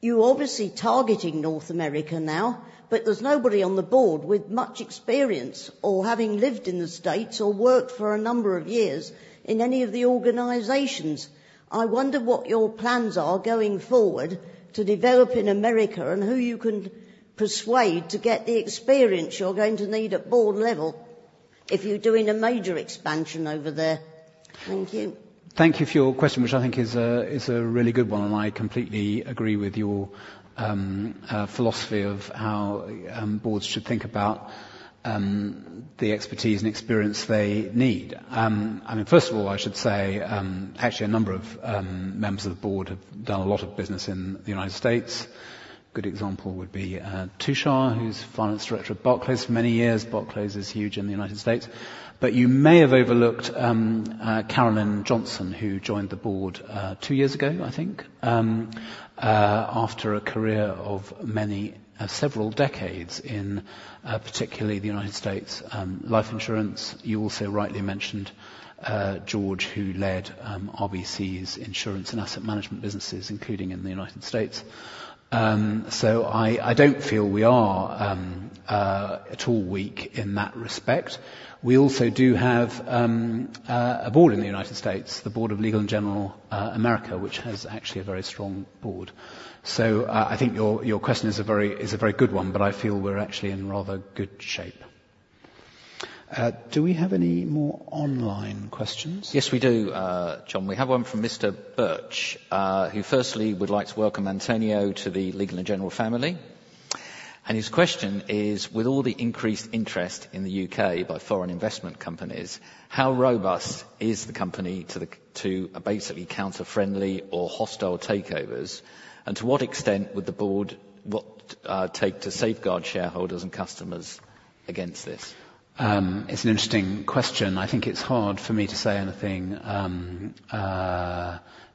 Speaker 9: you're obviously targeting North America now, but there's nobody on the board with much experience or having lived in the States or worked for a number of years in any of the organizations. I wonder what your plans are going forward to develop in America and who you can persuade to get the experience you're going to need at board level if you're doing a major expansion over there. Thank you.
Speaker 2: Thank you for your question, which I think is a really good one, and I completely agree with your philosophy of how boards should think about the expertise and experience they need. I mean, first of all, I should say, actually, a number of members of the board have done a lot of business in the United States. Good example would be Tushar, who's finance director of Barclays for many years. Barclays is huge in the United States. But you may have overlooked Carolyn Johnson, who joined the board two years ago, I think, after a career of many several decades in particularly the United States life insurance. You also rightly mentioned George, who led RBC's insurance and asset management businesses, including in the United States. So I don't feel we are at all weak in that respect. We also do have a board in the United States, the Board of Legal & General America, which has actually a very strong board. So I think your question is a very good one, but I feel we're actually in rather good shape. Do we have any more online questions?
Speaker 1: Yes, we do, John. We have one from Mr. Birch, who firstly would like to welcome António to the Legal & General family. And his question is: With all the increased interest in the UK by foreign investment companies, how robust is the company to basically counter friendly or hostile takeovers? And to what extent would the board, what take to safeguard shareholders and customers against this?
Speaker 2: It's an interesting question. I think it's hard for me to say anything,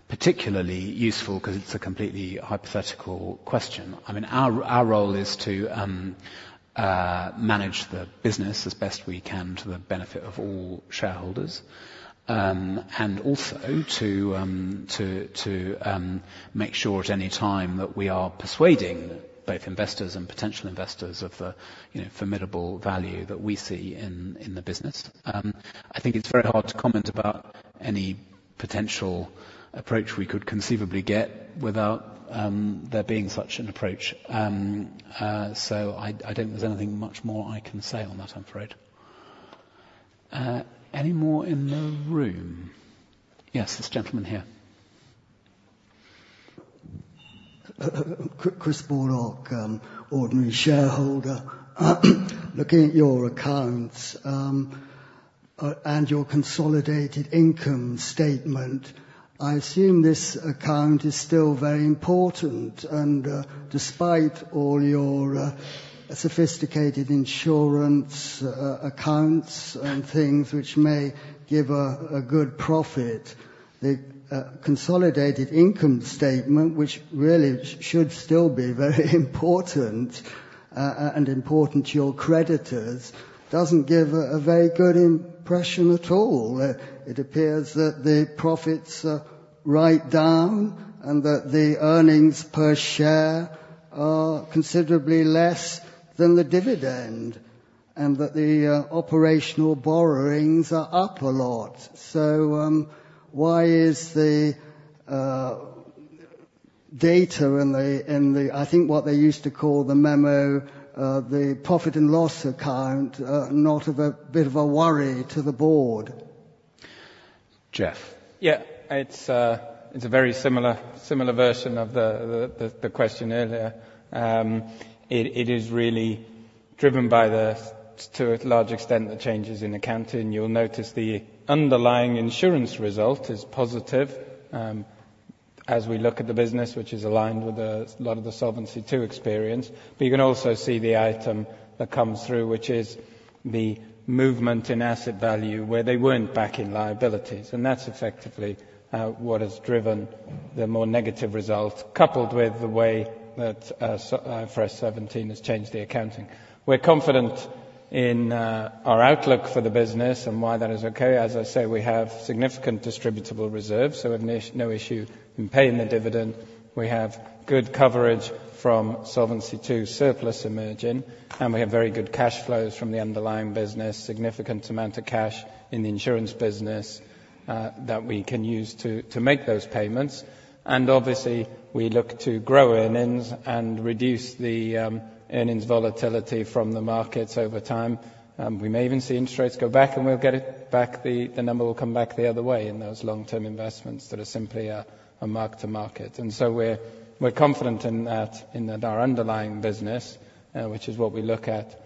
Speaker 2: particularly useful because it's a completely hypothetical question. I mean, our role is to manage the business as best we can to the benefit of all shareholders, and also to make sure at any time that we are persuading both investors and potential investors of the, you know, formidable value that we see in the business. I think it's very hard to comment about any potential approach we could conceivably get without there being such an approach. So I don't think there's anything much more I can say on that, I'm afraid. Any more in the room? Yes, this gentleman here.
Speaker 10: Chris Bullock, ordinary shareholder. Looking at your accounts, and your consolidated income statement, I assume this account is still very important, and, despite all your, sophisticated insurance, accounts and things which may give a good profit. The consolidated income statement, which really should still be very important, and important to your creditors, doesn't give a very good impression at all. It appears that the profits are right down, and that the earnings per share are considerably less than the dividend, and that the operational borrowings are up a lot. So, why is the data in the, in the... I think, what they used to call the memo, the profit and loss account, not of a bit of a worry to the board?
Speaker 2: Jeff?
Speaker 6: Yeah. It's a very similar version of the question earlier. It is really driven by, to a large extent, the changes in accounting. You'll notice the underlying insurance result is positive, as we look at the business, which is aligned with a lot of the Solvency II experience. But you can also see the item that comes through, which is the movement in asset value, where they weren't back in liabilities, and that's effectively what has driven the more negative result, coupled with the way that, so, IFRS 17 has changed the accounting. We're confident in our outlook for the business and why that is okay. As I say, we have significant distributable reserves, so we have no issue in paying the dividend. We have good coverage from Solvency II surplus emerging, and we have very good cash flows from the underlying business. Significant amount of cash in the insurance business that we can use to make those payments. And obviously, we look to grow earnings and reduce the earnings volatility from the markets over time. We may even see interest rates go back, and we'll get it back the number will come back the other way in those long-term investments that are simply a mark to market. And so we're confident in that our underlying business, which is what we look at,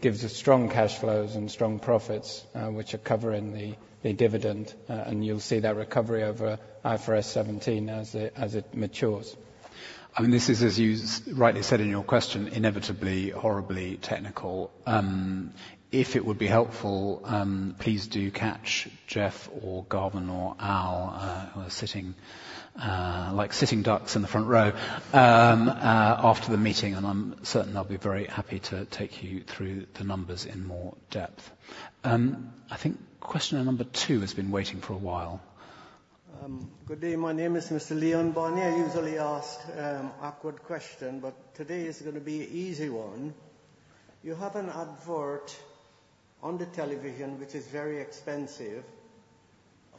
Speaker 6: gives us strong cash flows and strong profits which are covering the dividend. And you'll see that recovery over IFRS 17 as it matures.
Speaker 2: I mean, this is, as you rightly said in your question, inevitably, horribly technical. If it would be helpful, please do catch Jeff or Garvin or Al, who are sitting, like sitting ducks in the front row, after the meeting, and I'm certain they'll be very happy to take you through the numbers in more depth. I think questioner number two has been waiting for a while.
Speaker 11: Good day. My name is Mr. Leon Barney. I usually ask awkward question, but today is gonna be easy one. You have an advert on the television, which is very expensive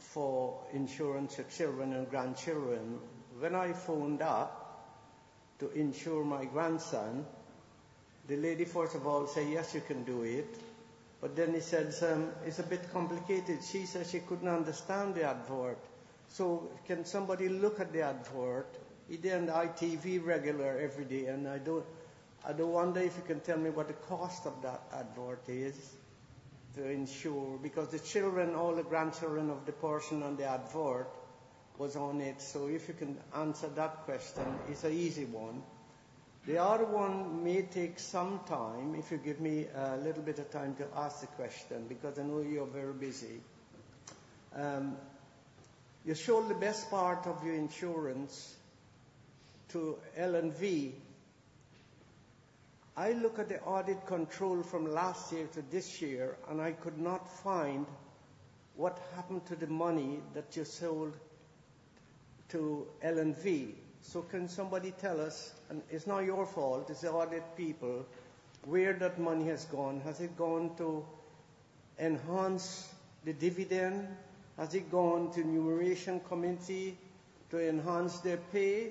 Speaker 11: for insurance of children and grandchildren. When I phoned up to insure my grandson, the lady, first of all, say: "Yes, you can do it." But then she says, "It's a bit complicated." She says she couldn't understand the advert. So can somebody look at the advert? It's on ITV regular, every day, and I do wonder if you can tell me what the cost of that advert is to insure? Because the children, all the grandchildren of the person on the advert was on it. So if you can answer that question, it's an easy one. The other one may take some time, if you give me a little bit of time to ask the question, because I know you're very busy. You showed the best part of your insurance to LV=. I look at the audit control from last year to this year, and I could not find what happened to the money that you sold to LV=. So can somebody tell us, and it's not your fault, it's the audit people, where that money has gone? Has it gone to enhance the dividend? Has it gone to remuneration committee to enhance their pay?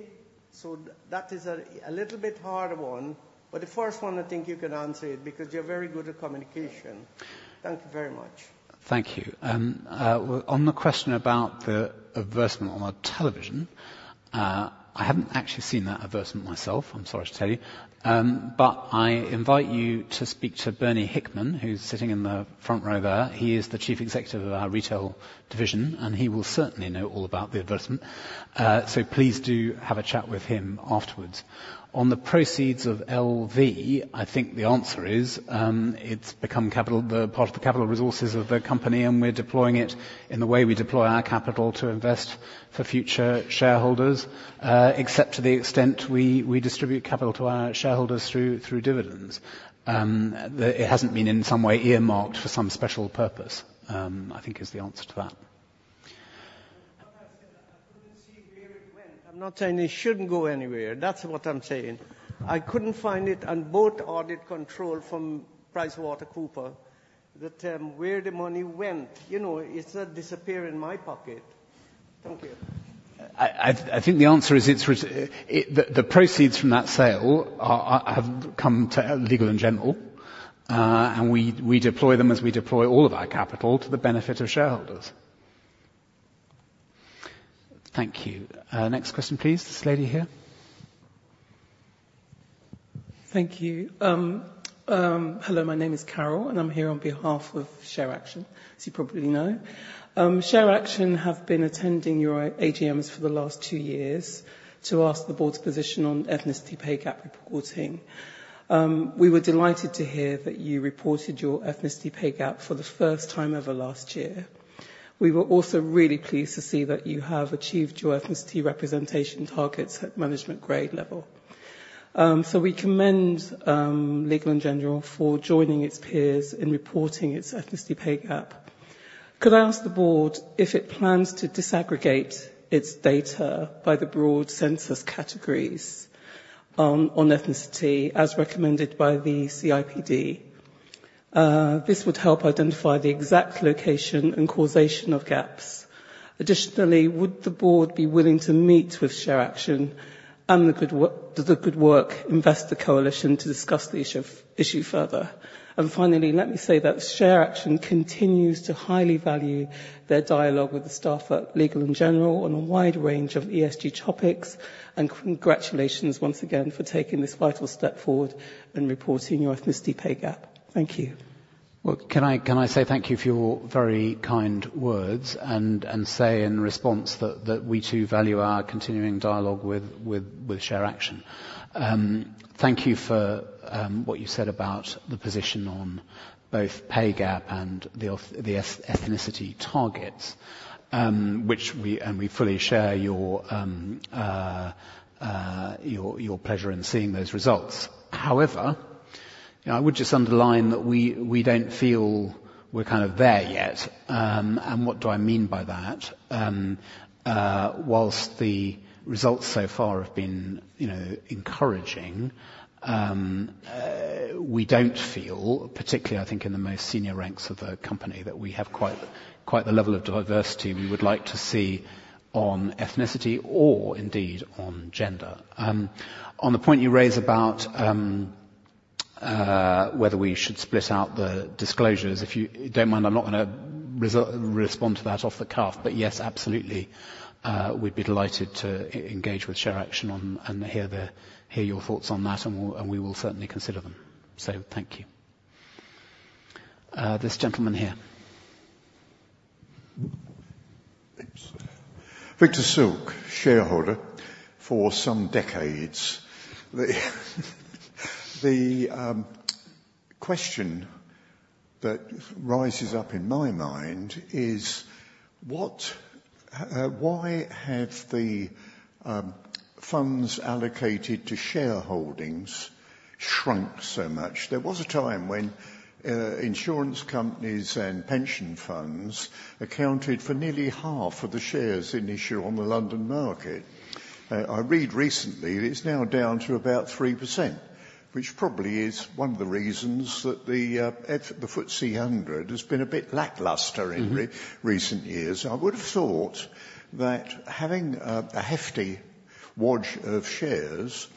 Speaker 11: So that is a little bit hard one, but the first one, I think you can answer it, because you're very good at communication. Thank you very much.
Speaker 2: Thank you. Well, on the question about the advertisement on the television, I haven't actually seen that advertisement myself, I'm sorry to tell you. But I invite you to speak to Bernie Hickman, who's sitting in the front row there. He is the Chief Executive of our retail division, and he will certainly know all about the advertisement. So please do have a chat with him afterwards. On the proceeds of LV, I think the answer is, it's become capital, the part of the capital resources of the company, and we're deploying it in the way we deploy our capital to invest for future shareholders, except to the extent we distribute capital to our shareholders through dividends. It hasn't been in some way earmarked for some special purpose, I think is the answer to that. ...
Speaker 11: I couldn't see where it went. I'm not saying it shouldn't go anywhere. That's what I'm saying. I couldn't find it on both audit control from PricewaterhouseCoopers, the, where the money went. You know, it's not disappear in my pocket. Thank you.
Speaker 2: I think the answer is it's the proceeds from that sale are have come to Legal & General, and we deploy them as we deploy all of our capital to the benefit of shareholders. Thank you. Next question, please. This lady here.
Speaker 12: Thank you. Hello, my name is Carol, and I'm here on behalf of ShareAction, as you probably know. ShareAction have been attending your AGMs for the last two years to ask the board's position on ethnicity pay gap reporting. We were delighted to hear that you reported your ethnicity pay gap for the first time ever last year. We were also really pleased to see that you have achieved your ethnicity representation targets at management grade level. So we commend Legal & General for joining its peers in reporting its ethnicity pay gap. Could I ask the board if it plans to disaggregate its data by the broad census categories on ethnicity, as recommended by the CIPD? This would help identify the exact location and causation of gaps. Additionally, would the board be willing to meet with ShareAction and the Good Work Investor Coalition to discuss the issue further? And finally, let me say that ShareAction continues to highly value their dialogue with the staff at Legal & General on a wide range of ESG topics, and congratulations once again for taking this vital step forward in reporting your ethnicity pay gap. Thank you.
Speaker 2: Well, can I say thank you for your very kind words, and say in response that we, too, value our continuing dialogue with ShareAction. Thank you for what you said about the position on both pay gap and the ethnicity targets, which we... and we fully share your pleasure in seeing those results. However, you know, I would just underline that we don't feel we're kind of there yet. And what do I mean by that? Whilst the results so far have been, you know, encouraging, we don't feel, particularly, I think, in the most senior ranks of the company, that we have quite the level of diversity we would like to see on ethnicity or indeed on gender. On the point you raise about whether we should split out the disclosures, if you don't mind, I'm not gonna respond to that off the cuff. But yes, absolutely, we'd be delighted to engage with ShareAction on and hear your thoughts on that, and we will certainly consider them. So thank you. This gentleman here.
Speaker 13: Victor Silk, shareholder for some decades. The question that rises up in my mind is what why have the funds allocated to shareholdings shrunk so much? There was a time when insurance companies and pension funds accounted for nearly half of the shares in issue on the London market. I read recently that it's now down to about 3%, which probably is one of the reasons that the FTSE 100 has been a bit lackluster-
Speaker 2: Mm-hmm...
Speaker 13: in recent years. I would have thought that having a hefty wodge of shares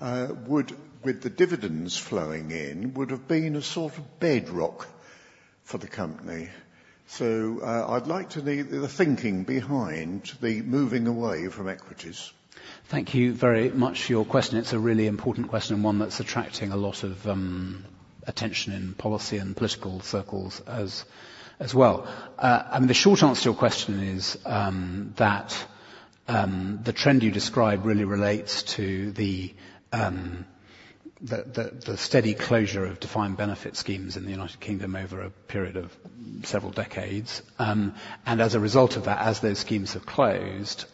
Speaker 13: would, with the dividends flowing in, would have been a sort of bedrock for the company. So, I'd like to know the thinking behind the moving away from equities.
Speaker 2: Thank you very much for your question. It's a really important question and one that's attracting a lot of attention in policy and political circles as well. The short answer to your question is that the trend you describe really relates to the steady closure of defined benefit schemes in the United Kingdom over a period of several decades. As a result of that, as those schemes have closed,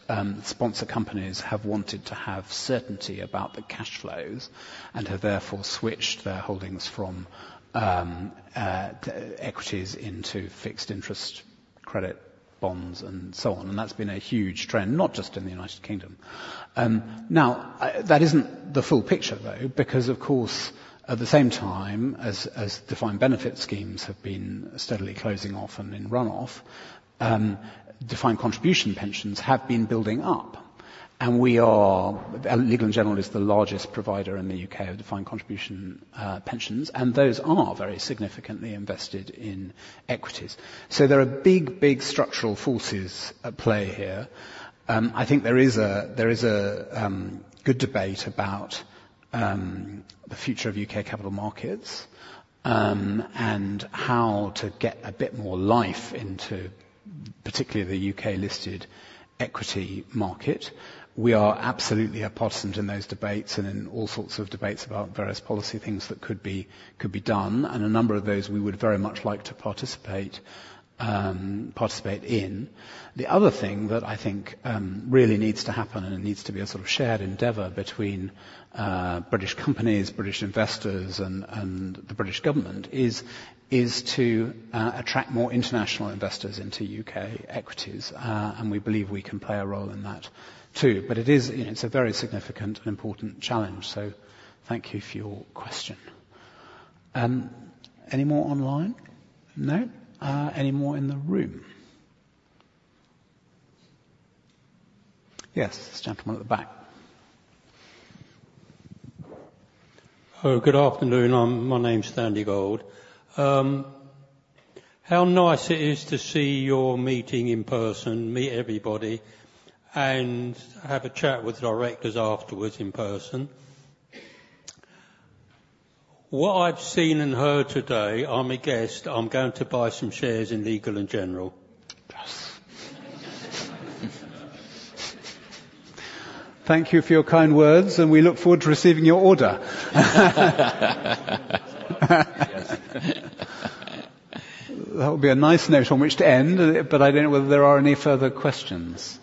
Speaker 2: sponsor companies have wanted to have certainty about the cash flows and have therefore switched their holdings from equities into fixed interest credit, bonds, and so on. That's been a huge trend, not just in the United Kingdom. Now, that isn't the full picture, though, because, of course, at the same time, as defined benefit schemes have been steadily closing off and in run-off, defined contribution pensions have been building up. And we are... Legal & General is the largest provider in the UK of defined contribution pensions, and those are very significantly invested in equities. So there are big, big structural forces at play here. I think there is a good debate about the future of UK capital markets, and how to get a bit more life into particularly the UK-listed equity market. We are absolutely a participant in those debates and in all sorts of debates about various policy things that could be done, and a number of those we would very much like to participate in. The other thing that I think, really needs to happen, and it needs to be a sort of shared endeavor between, British companies, British investors, and the British government, is to attract more international investors into U.K. equities. And we believe we can play a role in that, too. But it is, it's a very significant and important challenge, so thank you for your question. Any more online? No. Any more in the room?... Yes, this gentleman at the back.
Speaker 14: Good afternoon. My name is Sandy Gold. How nice it is to see your meeting in person, meet everybody, and have a chat with the directors afterwards in person. What I've seen and heard today, I'm a guest. I'm going to buy some shares in Legal & General.
Speaker 2: Thank you for your kind words, and we look forward to receiving your order.
Speaker 3: Yes.
Speaker 2: That would be a nice note on which to end, but I don't know whether there are any further questions.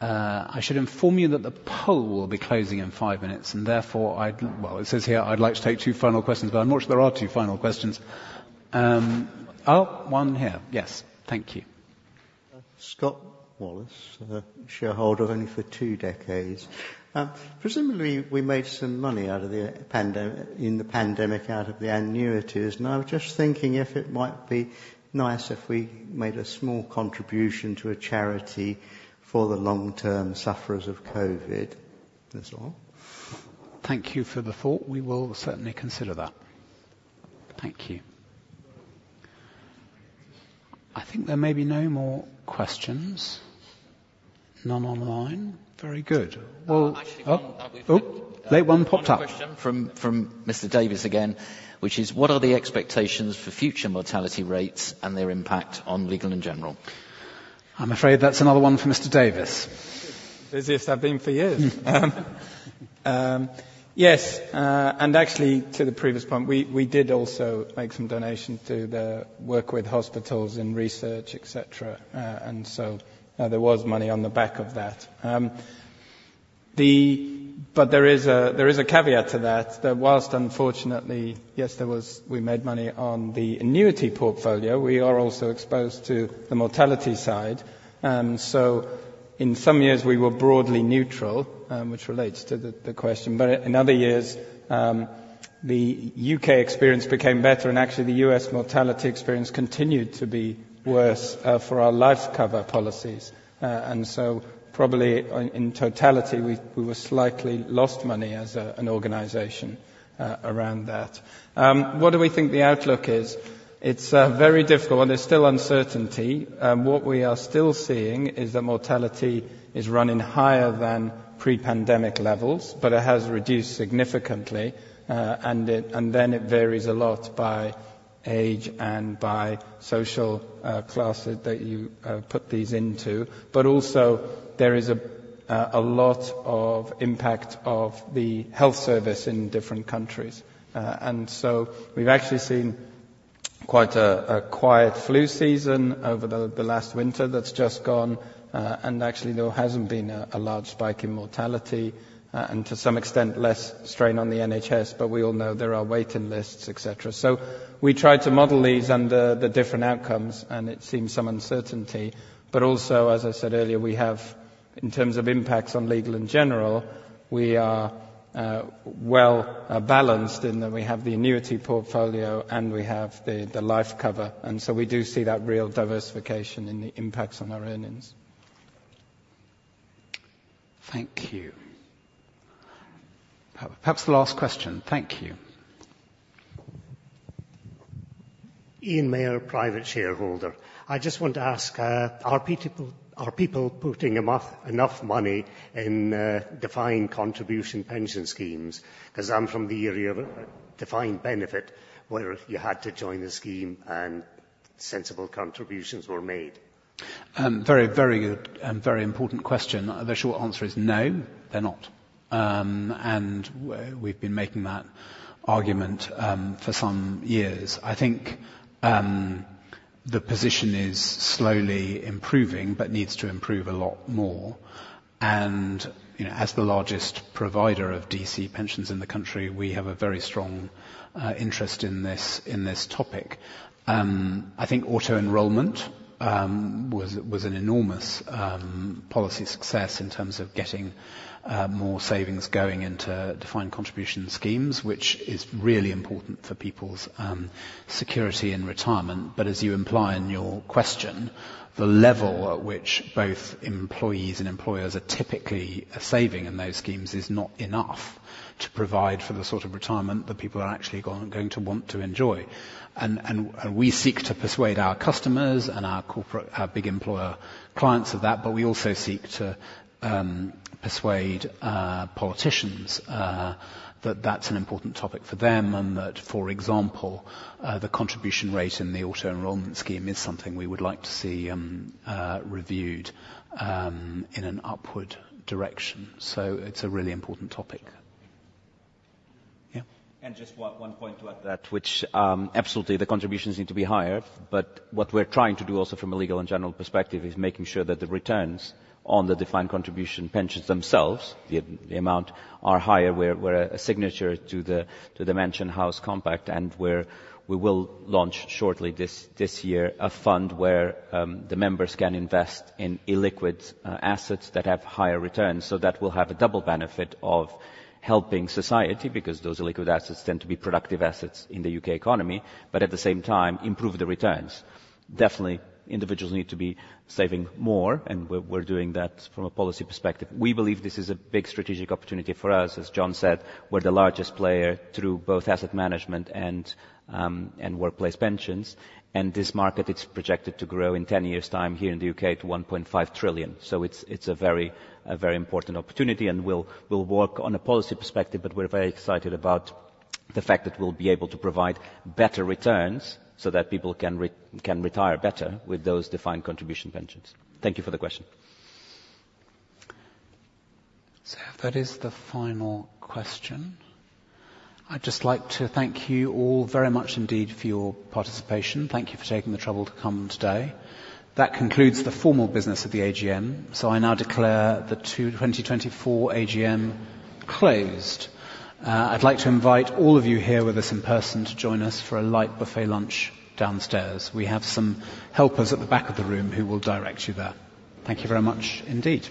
Speaker 3: I should inform you that the poll will be closing in five minutes, and therefore, I'd... Well, it says here, I'd like to take two final questions, but I'm not sure there are two final questions. One here. Yes, thank you.
Speaker 15: Scott Wallace, shareholder, only for two decades. Presumably, we made some money out of the pandemic, out of the annuities, and I was just thinking if it might be nice if we made a small contribution to a charity for the long-term sufferers of COVID, that's all.
Speaker 2: Thank you for the thought. We will certainly consider that. Thank you. I think there may be no more questions. None online. Very good. Well-
Speaker 3: Actually, one.
Speaker 2: Oh, oh, late one popped up.
Speaker 3: One question from Mr. Davies again, which is, what are the expectations for future mortality rates and their impact on Legal & General?
Speaker 2: I'm afraid that's another one for Mr. Davies.
Speaker 6: Busiest I've been for years. Yes, and actually, to the previous point, we did also make some donations to the work with hospitals in research, et cetera. And so, there was money on the back of that. But there is a caveat to that, that whilst unfortunately, yes, there was, we made money on the annuity portfolio, we are also exposed to the mortality side. So in some years, we were broadly neutral, which relates to the question. But in other years, the UK experience became better, and actually, the US mortality experience continued to be worse for our life cover policies. And so probably in totality, we were slightly lost money as an organization around that. What do we think the outlook is? It's very difficult, and there's still uncertainty. What we are still seeing is that mortality is running higher than pre-pandemic levels, but it has reduced significantly. And then it varies a lot by age and by social classes that you put these into. But also, there is a lot of impact of the health service in different countries. And so we've actually seen quite a quiet flu season over the last winter that's just gone. And actually, there hasn't been a large spike in mortality, and to some extent, less strain on the NHS, but we all know there are waiting lists, et cetera. So we try to model these under the different outcomes, and it seems some uncertainty. But also, as I said earlier, we have, in terms of impacts on Legal & General, we are well balanced in that we have the annuity portfolio, and we have the life cover, and so we do see that real diversification in the impacts on our earnings.
Speaker 2: Thank you. Perhaps the last question. Thank you.
Speaker 16: Ian Mayer, private shareholder. I just want to ask, are people putting enough money in defined contribution pension schemes? 'Cause I'm from the era of defined benefit, where you had to join the scheme, and sensible contributions were made.
Speaker 2: Very, very good and very important question. The short answer is no, they're not. And we've been making that argument for some years. I think the position is slowly improving but needs to improve a lot more. And, you know, as the largest provider of DC pensions in the country, we have a very strong interest in this, in this topic. I think auto-enrollment was an enormous policy success in terms of getting more savings going into defined contribution schemes, which is really important for people's security in retirement. But as you imply in your question, the level at which both employees and employers are typically saving in those schemes is not enough to provide for the sort of retirement that people are actually going to want to enjoy. We seek to persuade our customers and our corporate, our big employer clients of that, but we also seek to persuade politicians that that's an important topic for them and that, for example, the contribution rate in the auto-enrollment scheme is something we would like to see reviewed in an upward direction. So it's a really important topic. Yeah.
Speaker 3: And just one point to add to that, which absolutely the contributions need to be higher, but what we're trying to do also from a Legal & General perspective, is making sure that the returns on the defined contribution pensions themselves, the amount, are higher. We're a signatory to the Mansion House Compact, and we will launch shortly this year, a fund where the members can invest in illiquid assets that have higher returns. So that will have a double benefit of helping society because those illiquid assets tend to be productive assets in the UK economy, but at the same time, improve the returns. Definitely, individuals need to be saving more, and we're doing that from a policy perspective. We believe this is a big strategic opportunity for us. As John said, we're the largest player through both asset management and, and workplace pensions, and this market is projected to grow in ten years' time here in the U.K., to 1.5 trillion. So it's, it's a very, a very important opportunity, and we'll, we'll work on a policy perspective, but we're very excited about the fact that we'll be able to provide better returns so that people can retire better with those defined contribution pensions. Thank you for the question.
Speaker 2: So if that is the final question, I'd just like to thank you all very much indeed for your participation. Thank you for taking the trouble to come today. That concludes the formal business of the AGM. So I now declare the 2024 AGM closed. I'd like to invite all of you here with us in person to join us for a light buffet lunch downstairs. We have some helpers at the back of the room who will direct you there. Thank you very much indeed.